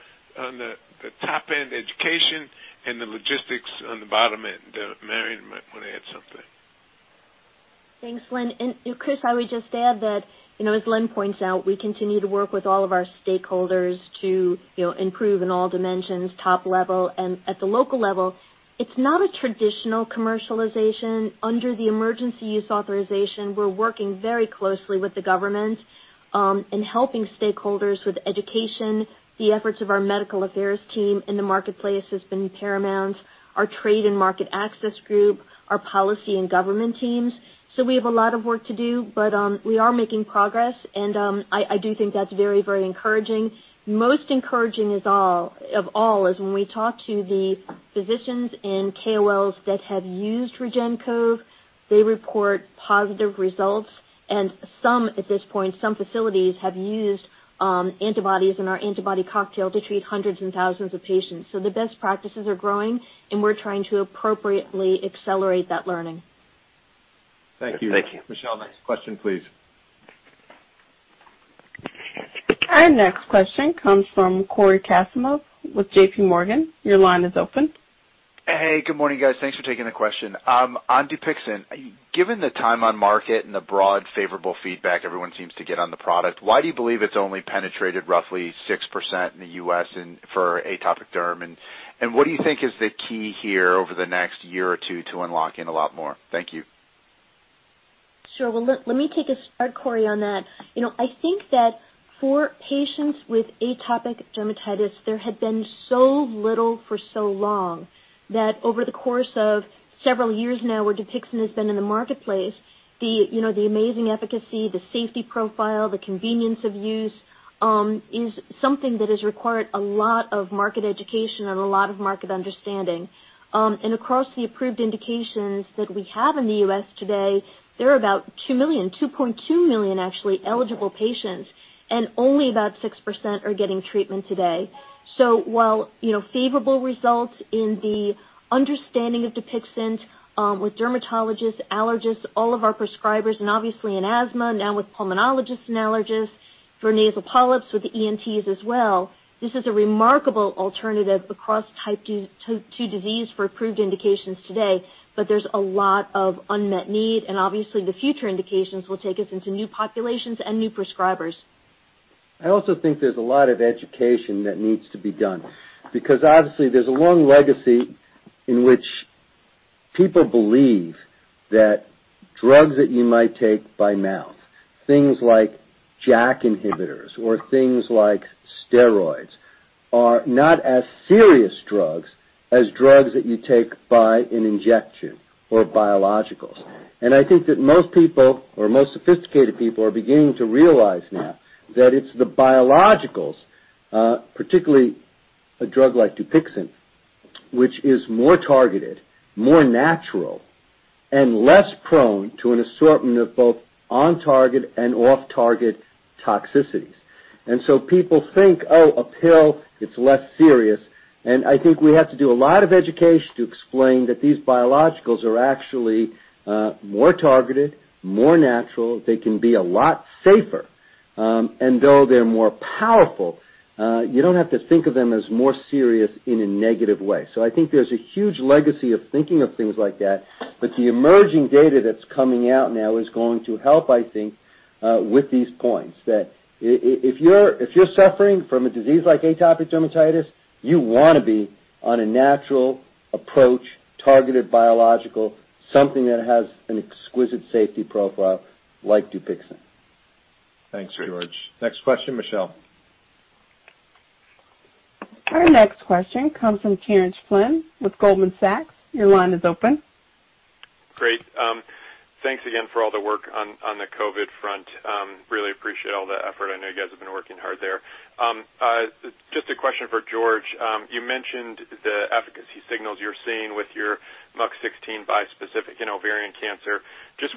top end education and the logistics on the bottom end. Marion might want to add something. Thanks, Len. Chris, I would just add that, as Len points out, we continue to work with all of our stakeholders to improve in all dimensions, top level and at the local level. It's not a traditional commercialization. Under the emergency use authorization, we're working very closely with the government in helping stakeholders with education. The efforts of our medical affairs team in the marketplace has been paramount, our trade and market access group, our policy and government teams. We have a lot of work to do, but we are making progress, and I do think that's very encouraging. Most encouraging of all is when we talk to the physicians and KOLs that have used REGEN-COV, they report positive results, and at this point, some facilities have used antibodies in our antibody cocktail to treat hundreds and thousands of patients. The best practices are growing, and we're trying to appropriately accelerate that learning. Thank you. Michelle, next question, please. Our next question comes from Cory Kasimov with JPMorgan. Your line is open. Hey, good morning, guys. Thanks for taking the question. On DUPIXENT, given the time on market and the broad favorable feedback everyone seems to get on the product, why do you believe it's only penetrated roughly 6% in the U.S. for atopic derm? What do you think is the key here over the next year or two to unlock in a lot more? Thank you. Sure. Well, let me take a start, Cory, on that. I think that for patients with atopic dermatitis, there had been so little for so long that over the course of several years now, where DUPIXENT has been in the marketplace, the amazing efficacy, the safety profile, the convenience of use, is something that has required a lot of market education and a lot of market understanding. Across the approved indications that we have in the U.S. today, there are about 2 million, 2.2 million actually, eligible patients, and only about 6% are getting treatment today. While favorable results in the understanding of DUPIXENT with dermatologists, allergists, all of our prescribers, and obviously in asthma now with pulmonologists and allergists, for nasal polyps with the ENTs as well, this is a remarkable alternative across type II disease for approved indications today. There's a lot of unmet need, and obviously, the future indications will take us into new populations and new prescribers. I also think there's a lot of education that needs to be done because obviously there's a long legacy in which people believe that drugs that you might take by mouth, things like JAK inhibitors or things like steroids, are not as serious drugs as drugs that you take by an injection or biologicals. I think that most people or most sophisticated people are beginning to realize now that it's the biologicals, particularly a drug like DUPIXENT, which is more targeted, more natural, and less prone to an assortment of both on-target and off-target toxicities. So people think, "Oh, a pill, it's less serious." I think we have to do a lot of education to explain that these biologicals are actually more targeted, more natural. They can be a lot safer. Though they're more powerful, you don't have to think of them as more serious in a negative way. I think there's a huge legacy of thinking of things like that, but the emerging data that's coming out now is going to help, I think, with these points, that if you're suffering from a disease like atopic dermatitis, you want to be on a natural approach, targeted biological, something that has an exquisite safety profile like DUPIXENT. Thanks, George. Next question, Michelle. Our next question comes from Kieran Flynn with Goldman Sachs. Great. Thanks again for all the work on the COVID front. Really appreciate all the effort. I know you guys have been working hard there. A question for George. You mentioned the efficacy signals you're seeing with your MUC16 bispecific in ovarian cancer.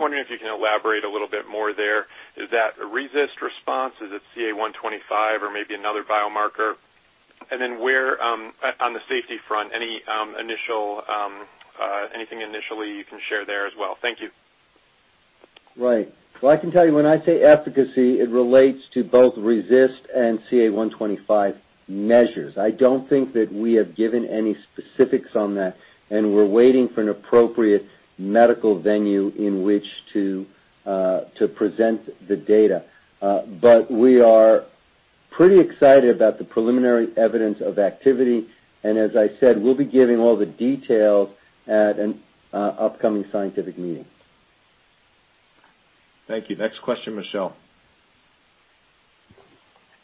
Wondering if you can elaborate a little bit more there. Is that a RECIST response? Is it CA125 or maybe another biomarker? On the safety front, anything initially you can share there as well? Thank you. Right. Well, I can tell you when I say efficacy, it relates to both RECIST and CA125 measures. I don't think that we have given any specifics on that. We're waiting for an appropriate medical venue in which to present the data. We are pretty excited about the preliminary evidence of activity. As I said, we'll be giving all the details at an upcoming scientific meeting. Thank you. Next question, Michelle.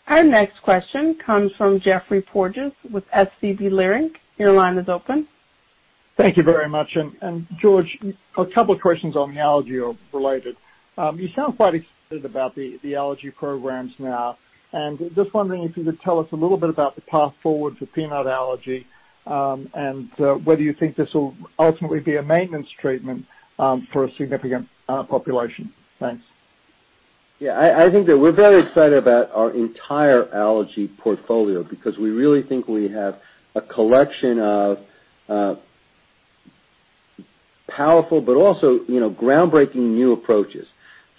Our next question comes from Geoffrey Porges with SVB Leerink. Your line is open. Thank you very much. George, a couple of questions on the allergy related. You sound quite excited about the allergy programs now, and just wondering if you could tell us a little bit about the path forward for peanut allergy, and whether you think this will ultimately be a maintenance treatment for a significant population? Thanks. Yeah. I think that we're very excited about our entire allergy portfolio because we really think we have a collection of powerful but also groundbreaking new approaches.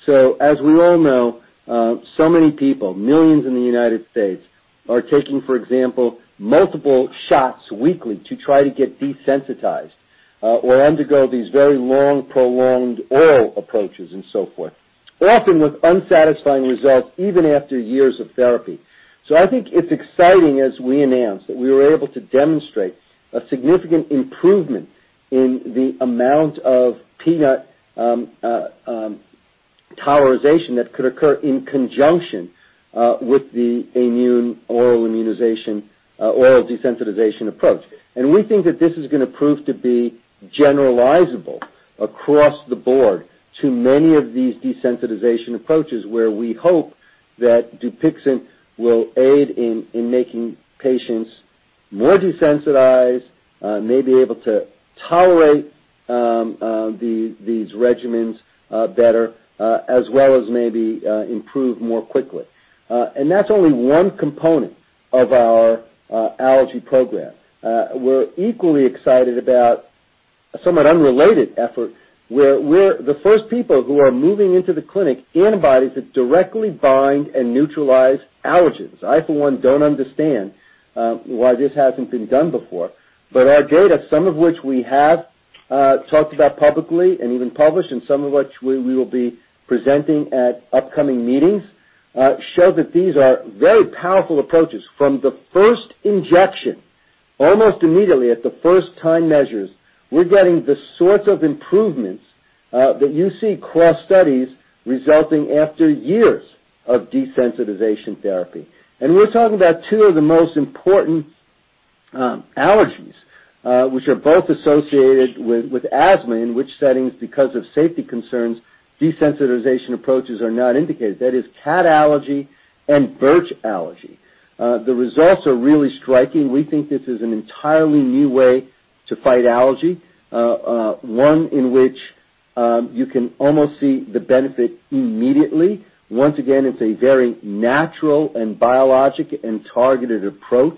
As we all know, so many people, millions in the United States, are taking, for example, multiple shots weekly to try to get desensitized or undergo these very long, prolonged oral approaches and so forth, often with unsatisfying results even after years of therapy. I think it's exciting, as we announced, that we were able to demonstrate a significant improvement in the amount of peanut tolerization that could occur in conjunction with the immune oral immunization, oral desensitization approach. We think that this is going to prove to be generalizable across the board to many of these desensitization approaches where we hope that DUPIXENT will aid in making patients more desensitized, maybe able to tolerate these regimens better, as well as maybe improve more quickly. That's only one component of our allergy program. We're equally excited about a somewhat unrelated effort where we're the first people who are moving into the clinic, antibodies that directly bind and neutralize allergens. I, for one, don't understand why this hasn't been done before. Our data, some of which we have talked about publicly and even published, and some of which we will be presenting at upcoming meetings, show that these are very powerful approaches from the first injection. Almost immediately at the first time measures, we're getting the sorts of improvements that you see across studies resulting after years of desensitization therapy. We're talking about two of the most important allergies, which are both associated with asthma, in which settings, because of safety concerns, desensitization approaches are not indicated. That is cat allergy and birch allergy. The results are really striking. We think this is an entirely new way to fight allergy, one in which you can almost see the benefit immediately. Once again, it's a very natural and biologic and targeted approach.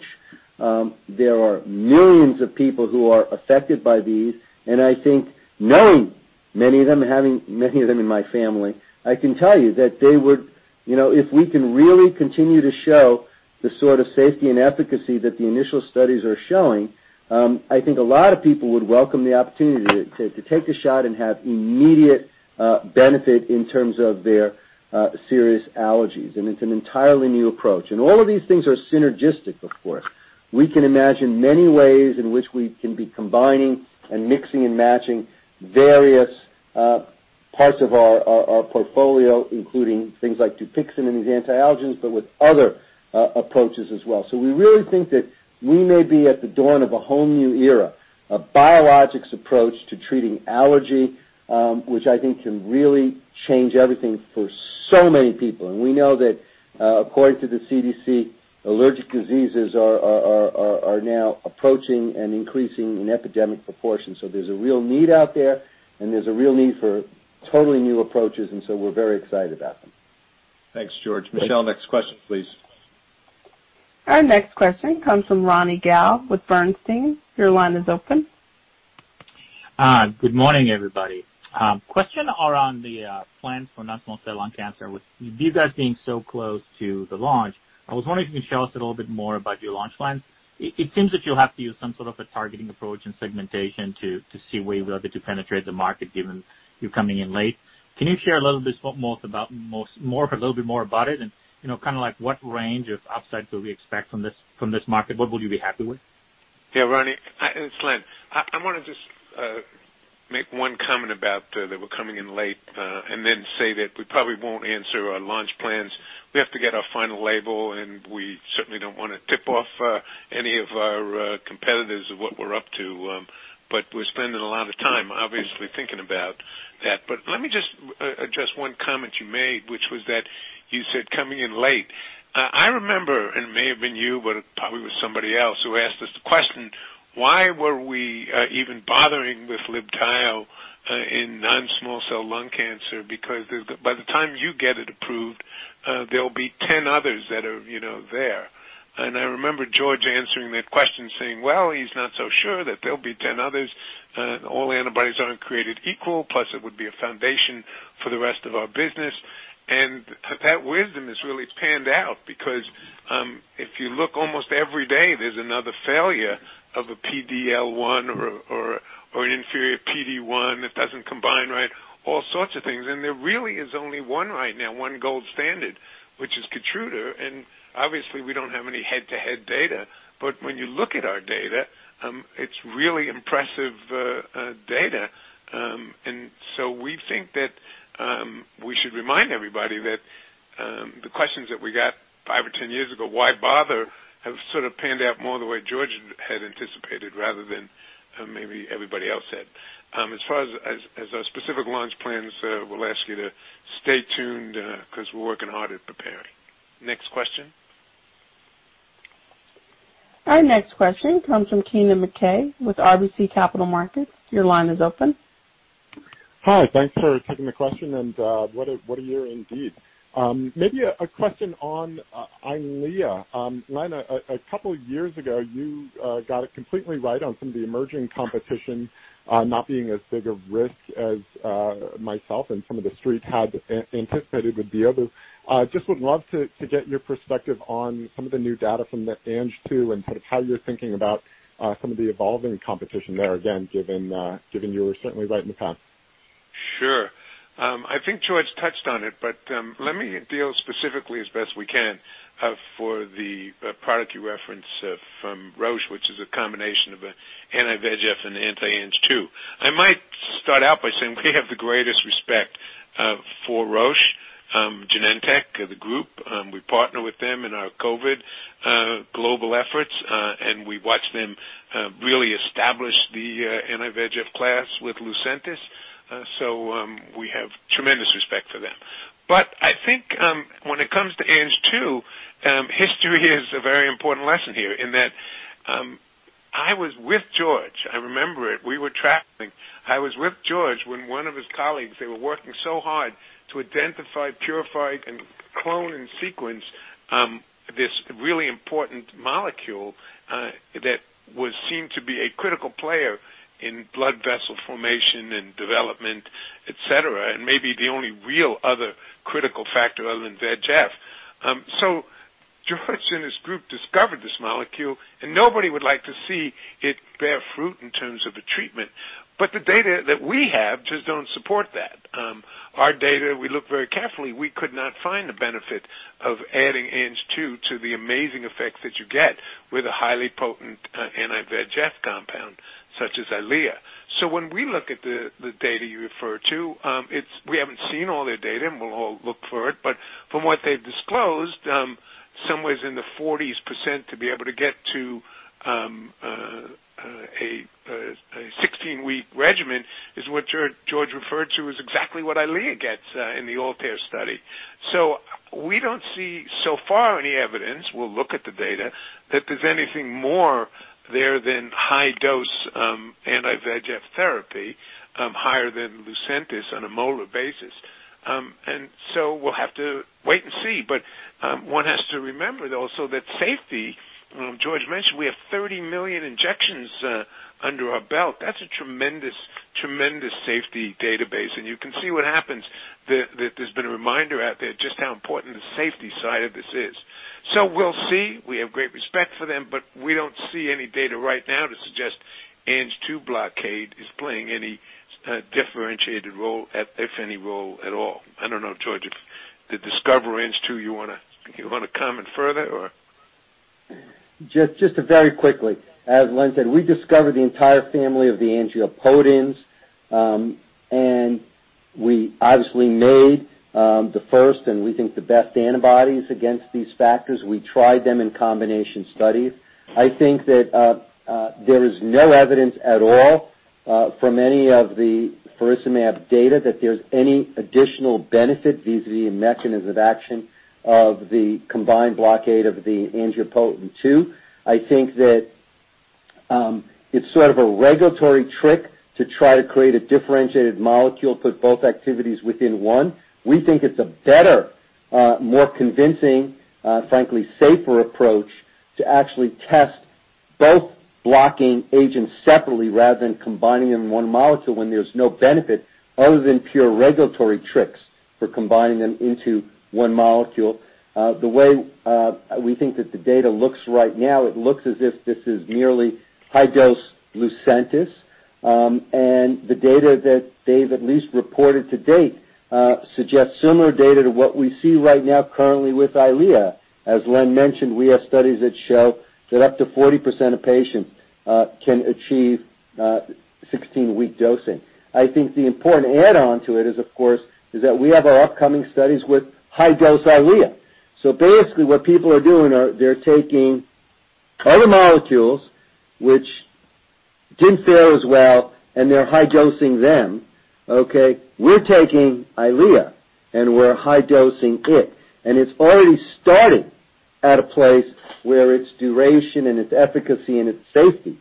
There are millions of people who are affected by these, and I think knowing many of them, having many of them in my family, I can tell you that if we can really continue to show the sort of safety and efficacy that the initial studies are showing, I think a lot of people would welcome the opportunity to take the shot and have immediate benefit in terms of their serious allergies. It's an entirely new approach. All of these things are synergistic, of course. We can imagine many ways in which we can be combining and mixing and matching various parts of our portfolio, including things like DUPIXENT and these anti-allergens, but with other approaches as well. We really think that we may be at the dawn of a whole new era, a biologics approach to treating allergy, which I think can really change everything for so many people. We know that according to the CDC, allergic diseases are now approaching and increasing in epidemic proportion. There's a real need out there, and there's a real need for totally new approaches, and so we're very excited about them. Thanks, George. Michelle, next question, please. Our next question comes from Ronny Gal with Bernstein. Your line is open. Good morning, everybody. Question around the plans for non-small cell lung cancer. With you guys being so close to the launch, I was wondering if you can tell us a little bit more about your launch plans. It seems that you'll have to use some sort of a targeting approach and segmentation to see where you'll be able to penetrate the market, given you're coming in late. Can you share a little bit more about it, and kind of like what range of upside should we expect from this market? What will you be happy with? Yeah, Ronny, it's Len. I want to just make one comment about that we're coming in late, and then say that we probably won't answer our launch plans. We have to get our final label, and we certainly don't want to tip off any of our competitors of what we're up to. We're spending a lot of time, obviously, thinking about that. Let me just address one comment you made, which was that you said coming in late. I remember, and it may have been you, but it probably was somebody else who asked us the question, why were we even bothering with LIBTAYO in non-small cell lung cancer? By the time you get it approved, there'll be 10 others that are there. I remember George answering that question, saying, well, he's not so sure that there'll be 10 others. All antibodies aren't created equal, plus it would be a foundation for the rest of our business. That wisdom has really panned out because if you look almost every day, there's another failure of a PD-L1 or an inferior PD-1 that doesn't combine right, all sorts of things. There really is only one right now, one gold standard, which is KEYTRUDA, and obviously we don't have any head-to-head data. When you look at our data, it's really impressive data. We think that we should remind everybody that the questions that we got five or 10 years ago, why bother, have sort of panned out more the way George had anticipated rather than maybe everybody else had. As far as our specific launch plans, we'll ask you to stay tuned because we're working hard at preparing. Next question. Our next question comes from Kennen MacKay with RBC Capital Markets. Your line is open. Hi, thanks for taking the question, what a year indeed. Maybe a question on EYLEA. Len, a couple years ago, you got it completely right on some of the emerging competition not being as big a risk as myself and some of the Street had anticipated with the others. Just would love to get your perspective on some of the new data from the Ang2 and sort of how you're thinking about some of the evolving competition there, again, given you were certainly right in the past. Sure. I think George touched on it, but let me deal specifically as best we can for the product you referenced from Roche, which is a combination of an anti-VEGF and anti-Ang2. I might start out by saying we have the greatest respect for Roche, Genentech, the group. We partner with them in our COVID global efforts, and we watched them really establish the anti-VEGF class with LUCENTIS. We have tremendous respect for them. I think when it comes to Ang2, history is a very important lesson here in that I was with George. I remember it. We were traveling. I was with George when one of his colleagues, they were working so hard to identify, purify, clone, and sequence this really important molecule that was seen to be a critical player in blood vessel formation and development et cetera, and maybe the only real other critical factor other than VEGF. George and his group discovered this molecule, and nobody would like to see it bear fruit in terms of a treatment. The data that we have just don't support that. Our data, we looked very carefully, we could not find the benefit of adding Ang2 to the amazing effects that you get with a highly potent anti-VEGF compound such as EYLEA. When we look at the data you refer to, we haven't seen all their data, and we'll all look for it, but from what they've disclosed, somewhere in the 40s% to be able to get to a 16-week regimen is what George referred to as exactly what EYLEA gets in the ALTAIR study. We don't see, so far, any evidence, we'll look at the data, that there's anything more there than high-dose anti-VEGF therapy, higher than LUCENTIS on a molar basis. We'll have to wait and see. One has to remember, though, also that safety, George mentioned we have 30 million injections under our belt. That's a tremendous safety database. You can see what happens, that there's been a reminder out there just how important the safety side of this is. We'll see. We have great respect for them. We don't see any data right now to suggest Ang2 blockade is playing any differentiated role, if any role at all. I don't know, George, if the discover Ang2, you want to comment further or? Just very quickly. As Len said, we discovered the entire family of the angiopoietins, and we obviously made the first, and we think the best antibodies against these factors. I think that there is no evidence at all from any of the faricimab data that there's any additional benefit vis-a-vis a mechanism of action of the combined blockade of the angiopoietin-2. I think that it's sort of a regulatory trick to try to create a differentiated molecule, put both activities within one. We think it's a better, more convincing, frankly, safer approach to actually test both blocking agents separately rather than combining them in one molecule when there's no benefit other than pure regulatory tricks for combining them into one molecule. The way we think that the data looks right now, it looks as if this is merely high-dose LUCENTIS. The data that they've at least reported to date suggests similar data to what we see right now currently with EYLEA. As Len mentioned, we have studies that show that up to 40% of patients can achieve 16-week dosing. I think the important add-on to it is, of course, is that we have our upcoming studies with high-dose EYLEA. Basically, what people are doing are they're taking other molecules which didn't fare as well, and they're high dosing them. Okay. We're taking EYLEA, and we're high dosing it. It's already starting at a place where its duration and its efficacy and its safety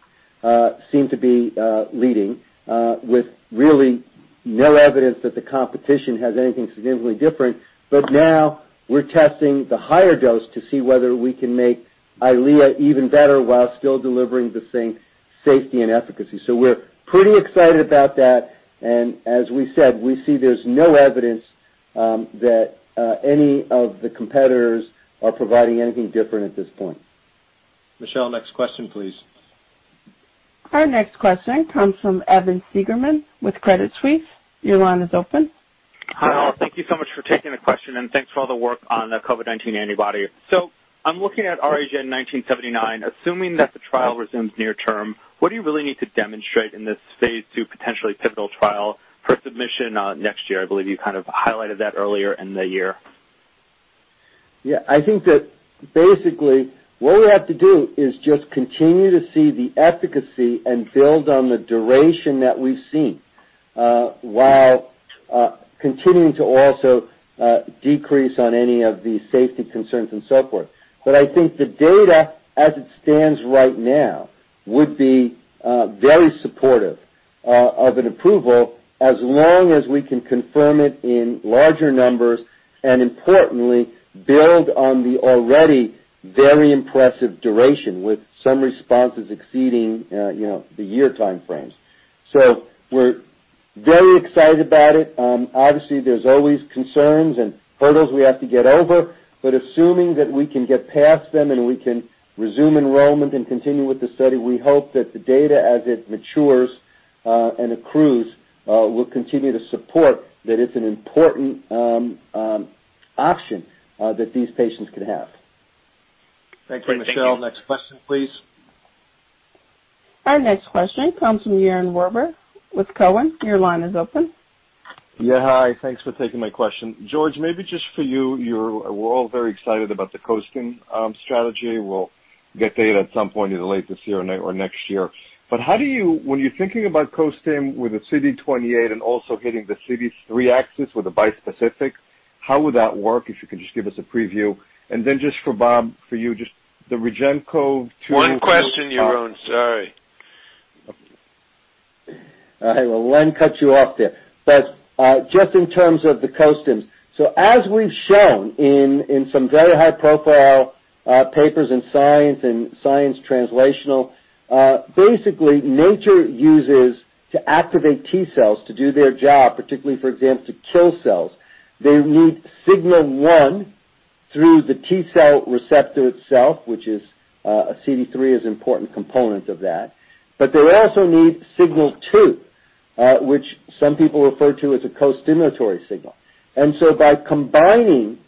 seem to be leading with really no evidence that the competition has anything significantly different. Now we're testing the higher dose to see whether we can make EYLEA even better while still delivering the same safety and efficacy. We're pretty excited about that, and as we said, we see there's no evidence that any of the competitors are providing anything different at this point. Michelle, next question, please. Our next question comes from Evan Seigerman with Credit Suisse. Your line is open. Hi all. Thank you so much for taking the question, and thanks for all the work on the COVID-19 antibody. I'm looking at REGN1979. Assuming that the trial resumes near term, what do you really need to demonstrate in this phase II potentially pivotal trial for submission next year? I believe you kind of highlighted that earlier in the year. Yeah, I think that basically what we have to do is just continue to see the efficacy and build on the duration that we've seen while continuing to also decrease on any of the safety concerns and so forth. I think the data as it stands right now would be very supportive of an approval as long as we can confirm it in larger numbers and importantly, build on the already very impressive duration with some responses exceeding the one year time frames. We're very excited about it. Obviously, there's always concerns and hurdles we have to get over, but assuming that we can get past them and we can resume enrollment and continue with the study, we hope that the data as it matures and accrues will continue to support that it's an important option that these patients could have. Thank you. Great. Thank you. Michelle, next question, please. Our next question comes from Yaron Werber with Cowen. Yeah, hi. Thanks for taking my question. George, maybe just for you, we're all very excited about the Costim strategy. We'll get data at some point either late this year or next year. When you're thinking about Costim with the CD28 and also hitting the CD3 axis with a bispecific, how would that work? If you could just give us a preview. Then just for Bob, for you, just the REGEN-COV. One question, Yaron. Sorry. All right. Well, Len cut you off there. Just in terms of the costims. As we've shown in some very high-profile papers in Science and Science Translational Medicine, basically, nature uses to activate T cells to do their job, particularly, for example, to kill cells, they need signal one through the T cell receptor itself, which is a CD3 is important component of that. They also need signal two, which some people refer to as a costimulatory signal. By combining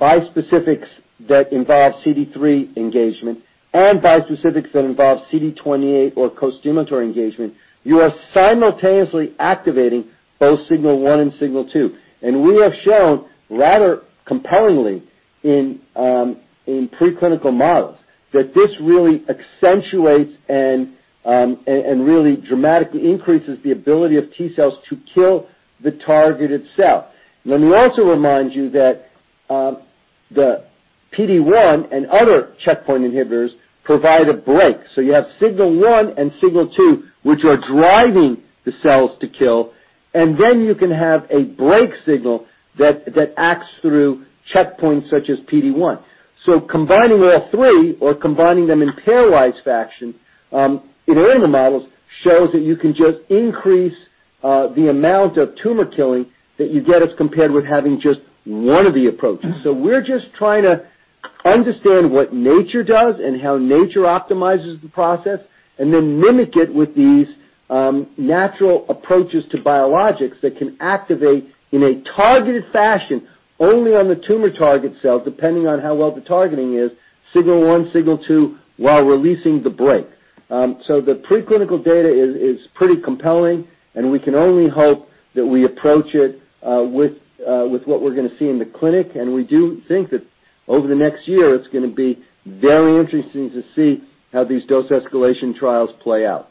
bispecifics that involve CD3 engagement and bispecifics that involve CD28 or costimulatory engagement, you are simultaneously activating both signal one and signal two. We have shown rather compellingly in preclinical models that this really accentuates and really dramatically increases the ability of T cells to kill the target itself. Let me also remind you that the PD1 and other checkpoint inhibitors provide a break. You have signal one and signal two, which are driving the cells to kill, and then you can have a break signal that acts through checkpoints such as PD-1. Combining all three or combining them in pairwise fashion, in animal models, shows that you can just increase the amount of tumor killing that you get as compared with having just one of the approaches. We're just trying to understand what nature does and how nature optimizes the process, and then mimic it with these natural approaches to biologics that can activate in a targeted fashion only on the tumor target cell, depending on how well the targeting is, signal one, signal two, while releasing the break. The preclinical data is pretty compelling, and we can only hope that we approach it with what we're going to see in the clinic. We do think that over the next year, it's going to be very interesting to see how these dose escalation trials play out.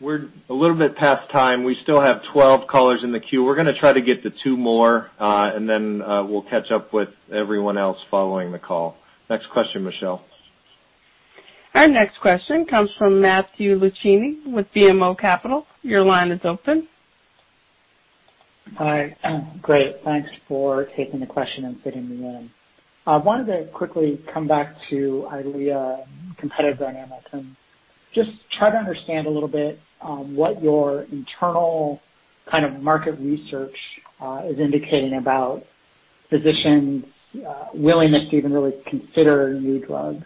We're a little bit past time. We still have 12 callers in the queue. We're going to try to get to two more, and then we'll catch up with everyone else following the call. Next question, Michelle. Our next question comes from Matthew Luchini with BMO Capital. Your line is open. Hi. Great. Thanks for taking the question and fitting me in. I wanted to quickly come back to EYLEA competitive dynamic and just try to understand a little bit what your internal kind of market research is indicating about physician willingness to even really consider new drugs.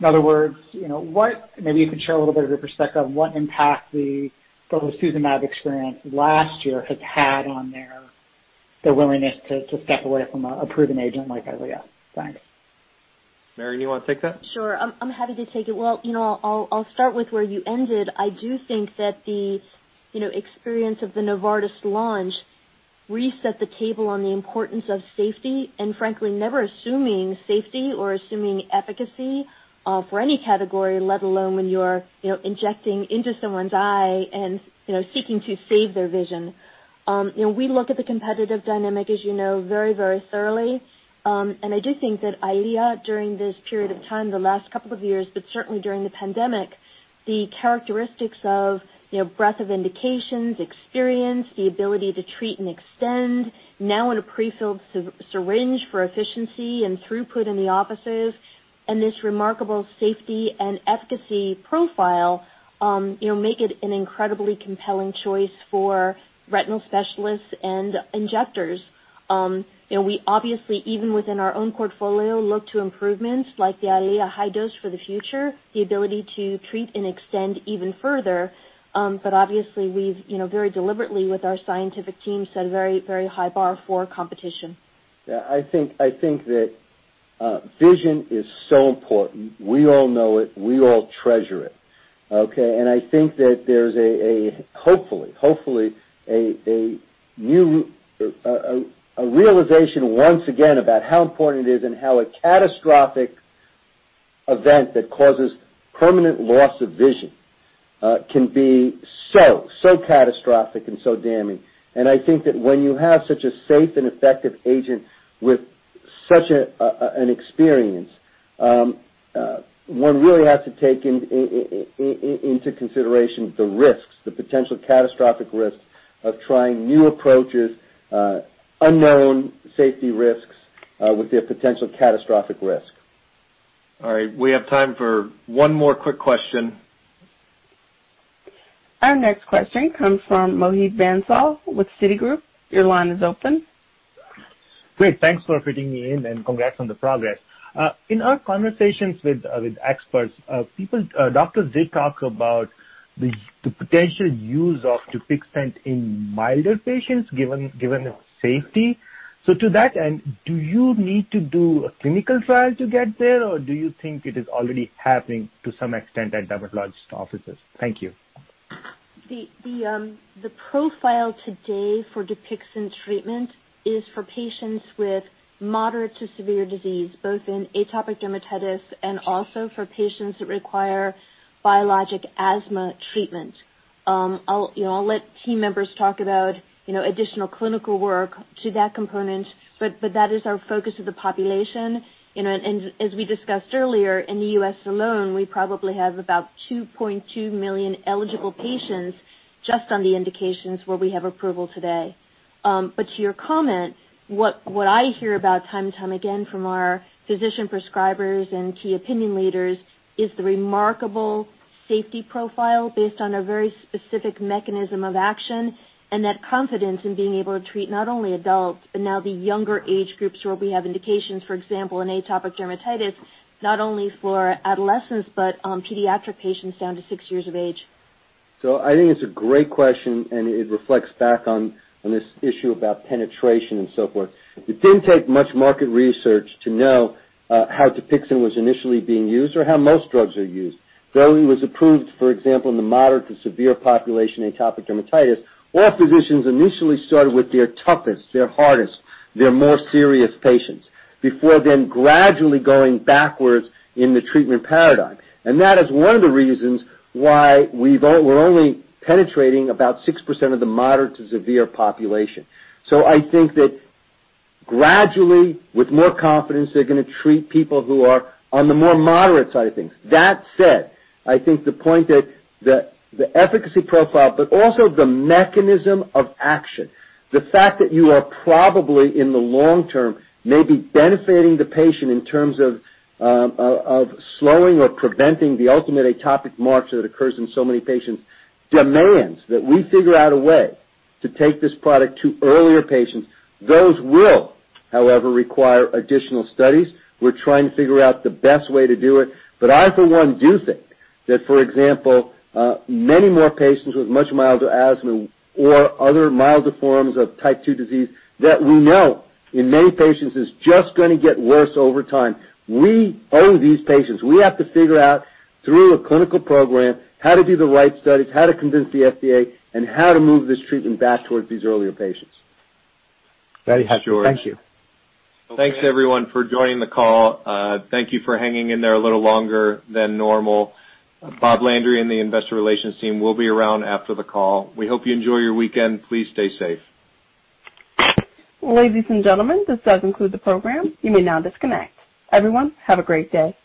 In other words, maybe you can share a little bit of your perspective on what impact the brolucizumab experience last year has had on their willingness to step away from a proven agent like EYLEA. Thanks. Marion, you want to take that? Sure. I'm happy to take it. Well, I'll start with where you ended. I do think that the experience of the Novartis launch reset the table on the importance of safety, frankly, never assuming safety or assuming efficacy for any category, let alone when you're injecting into someone's eye and seeking to save their vision. We look at the competitive dynamic, as you know, very thoroughly. I do think that EYLEA, during this period of time, the last couple of years, but certainly during the pandemic, the characteristics of breadth of indications, experience, the ability to treat and extend, now in a prefilled syringe for efficiency and throughput in the offices, and this remarkable safety and efficacy profile make it an incredibly compelling choice for retinal specialists and injectors. We obviously, even within our own portfolio, look to improvements like the EYLEA high dose for the future, the ability to treat and extend even further. Obviously we've very deliberately with our scientific team set a very high bar for competition. Yeah, I think that vision is so important. We all know it. We all treasure it. Okay. I think that there's hopefully a realization once again about how important it is and how a catastrophic event that causes permanent loss of vision can be so catastrophic and so damning. I think that when you have such a safe and effective agent with such an experience, one really has to take into consideration the risks, the potential catastrophic risks of trying new approaches, unknown safety risks with their potential catastrophic risk. All right. We have time for one more quick question. Our next question comes from Mohit Bansal with Citigroup. Your line is open. Great. Thanks for fitting me in, and congrats on the progress. In our conversations with experts, doctors did talk about the potential use of DUPIXENT in milder patients, given its safety. To that end, do you need to do a clinical trial to get there, or do you think it is already happening to some extent at dermatologist offices? Thank you. The profile today for DUPIXENT treatment is for patients with moderate to severe disease, both in atopic dermatitis and also for patients that require biologic asthma treatment. I'll let team members talk about additional clinical work to that component, that is our focus of the population. As we discussed earlier, in the U.S. alone, we probably have about $2.2 million eligible patients just on the indications where we have approval today. To your comment, what I hear about time and time again from our physician prescribers and key opinion leaders is the remarkable safety profile based on a very specific mechanism of action, and that confidence in being able to treat not only adults, but now the younger age groups where we have indications, for example, in atopic dermatitis, not only for adolescents, but pediatric patients down to six years of age. I think it's a great question, and it reflects back on this issue about penetration and so forth. It didn't take much market research to know how DUPIXENT was initially being used or how most drugs are used. Though it was approved, for example, in the moderate to severe population, atopic dermatitis, all physicians initially started with their toughest, their hardest, their more serious patients before then gradually going backwards in the treatment paradigm. That is one of the reasons why we're only penetrating about 6% of the moderate to severe population. I think that gradually, with more confidence, they're going to treat people who are on the more moderate side of things. That said, I think the point that the efficacy profile, but also the mechanism of action, the fact that you are probably in the long-term, maybe benefiting the patient in terms of slowing or preventing the ultimate atopic march that occurs in so many patients, demands that we figure out a way to take this product to earlier patients. Those will, however, require additional studies. We're trying to figure out the best way to do it. I, for one, do think that, for example, many more patients with much milder asthma or other milder forms of type II disease that we know in many patients is just going to get worse over time. We owe these patients. We have to figure out through a clinical program how to do the right studies, how to convince the FDA, and how to move this treatment back towards these earlier patients. Very happy. Thank you. Thanks, everyone, for joining the call. Thank you for hanging in there a little longer than normal. Bob Landry and the investor relations team will be around after the call. We hope you enjoy your weekend. Please stay safe. Ladies and gentlemen, this does conclude the program. You may now disconnect. Everyone, have a great day.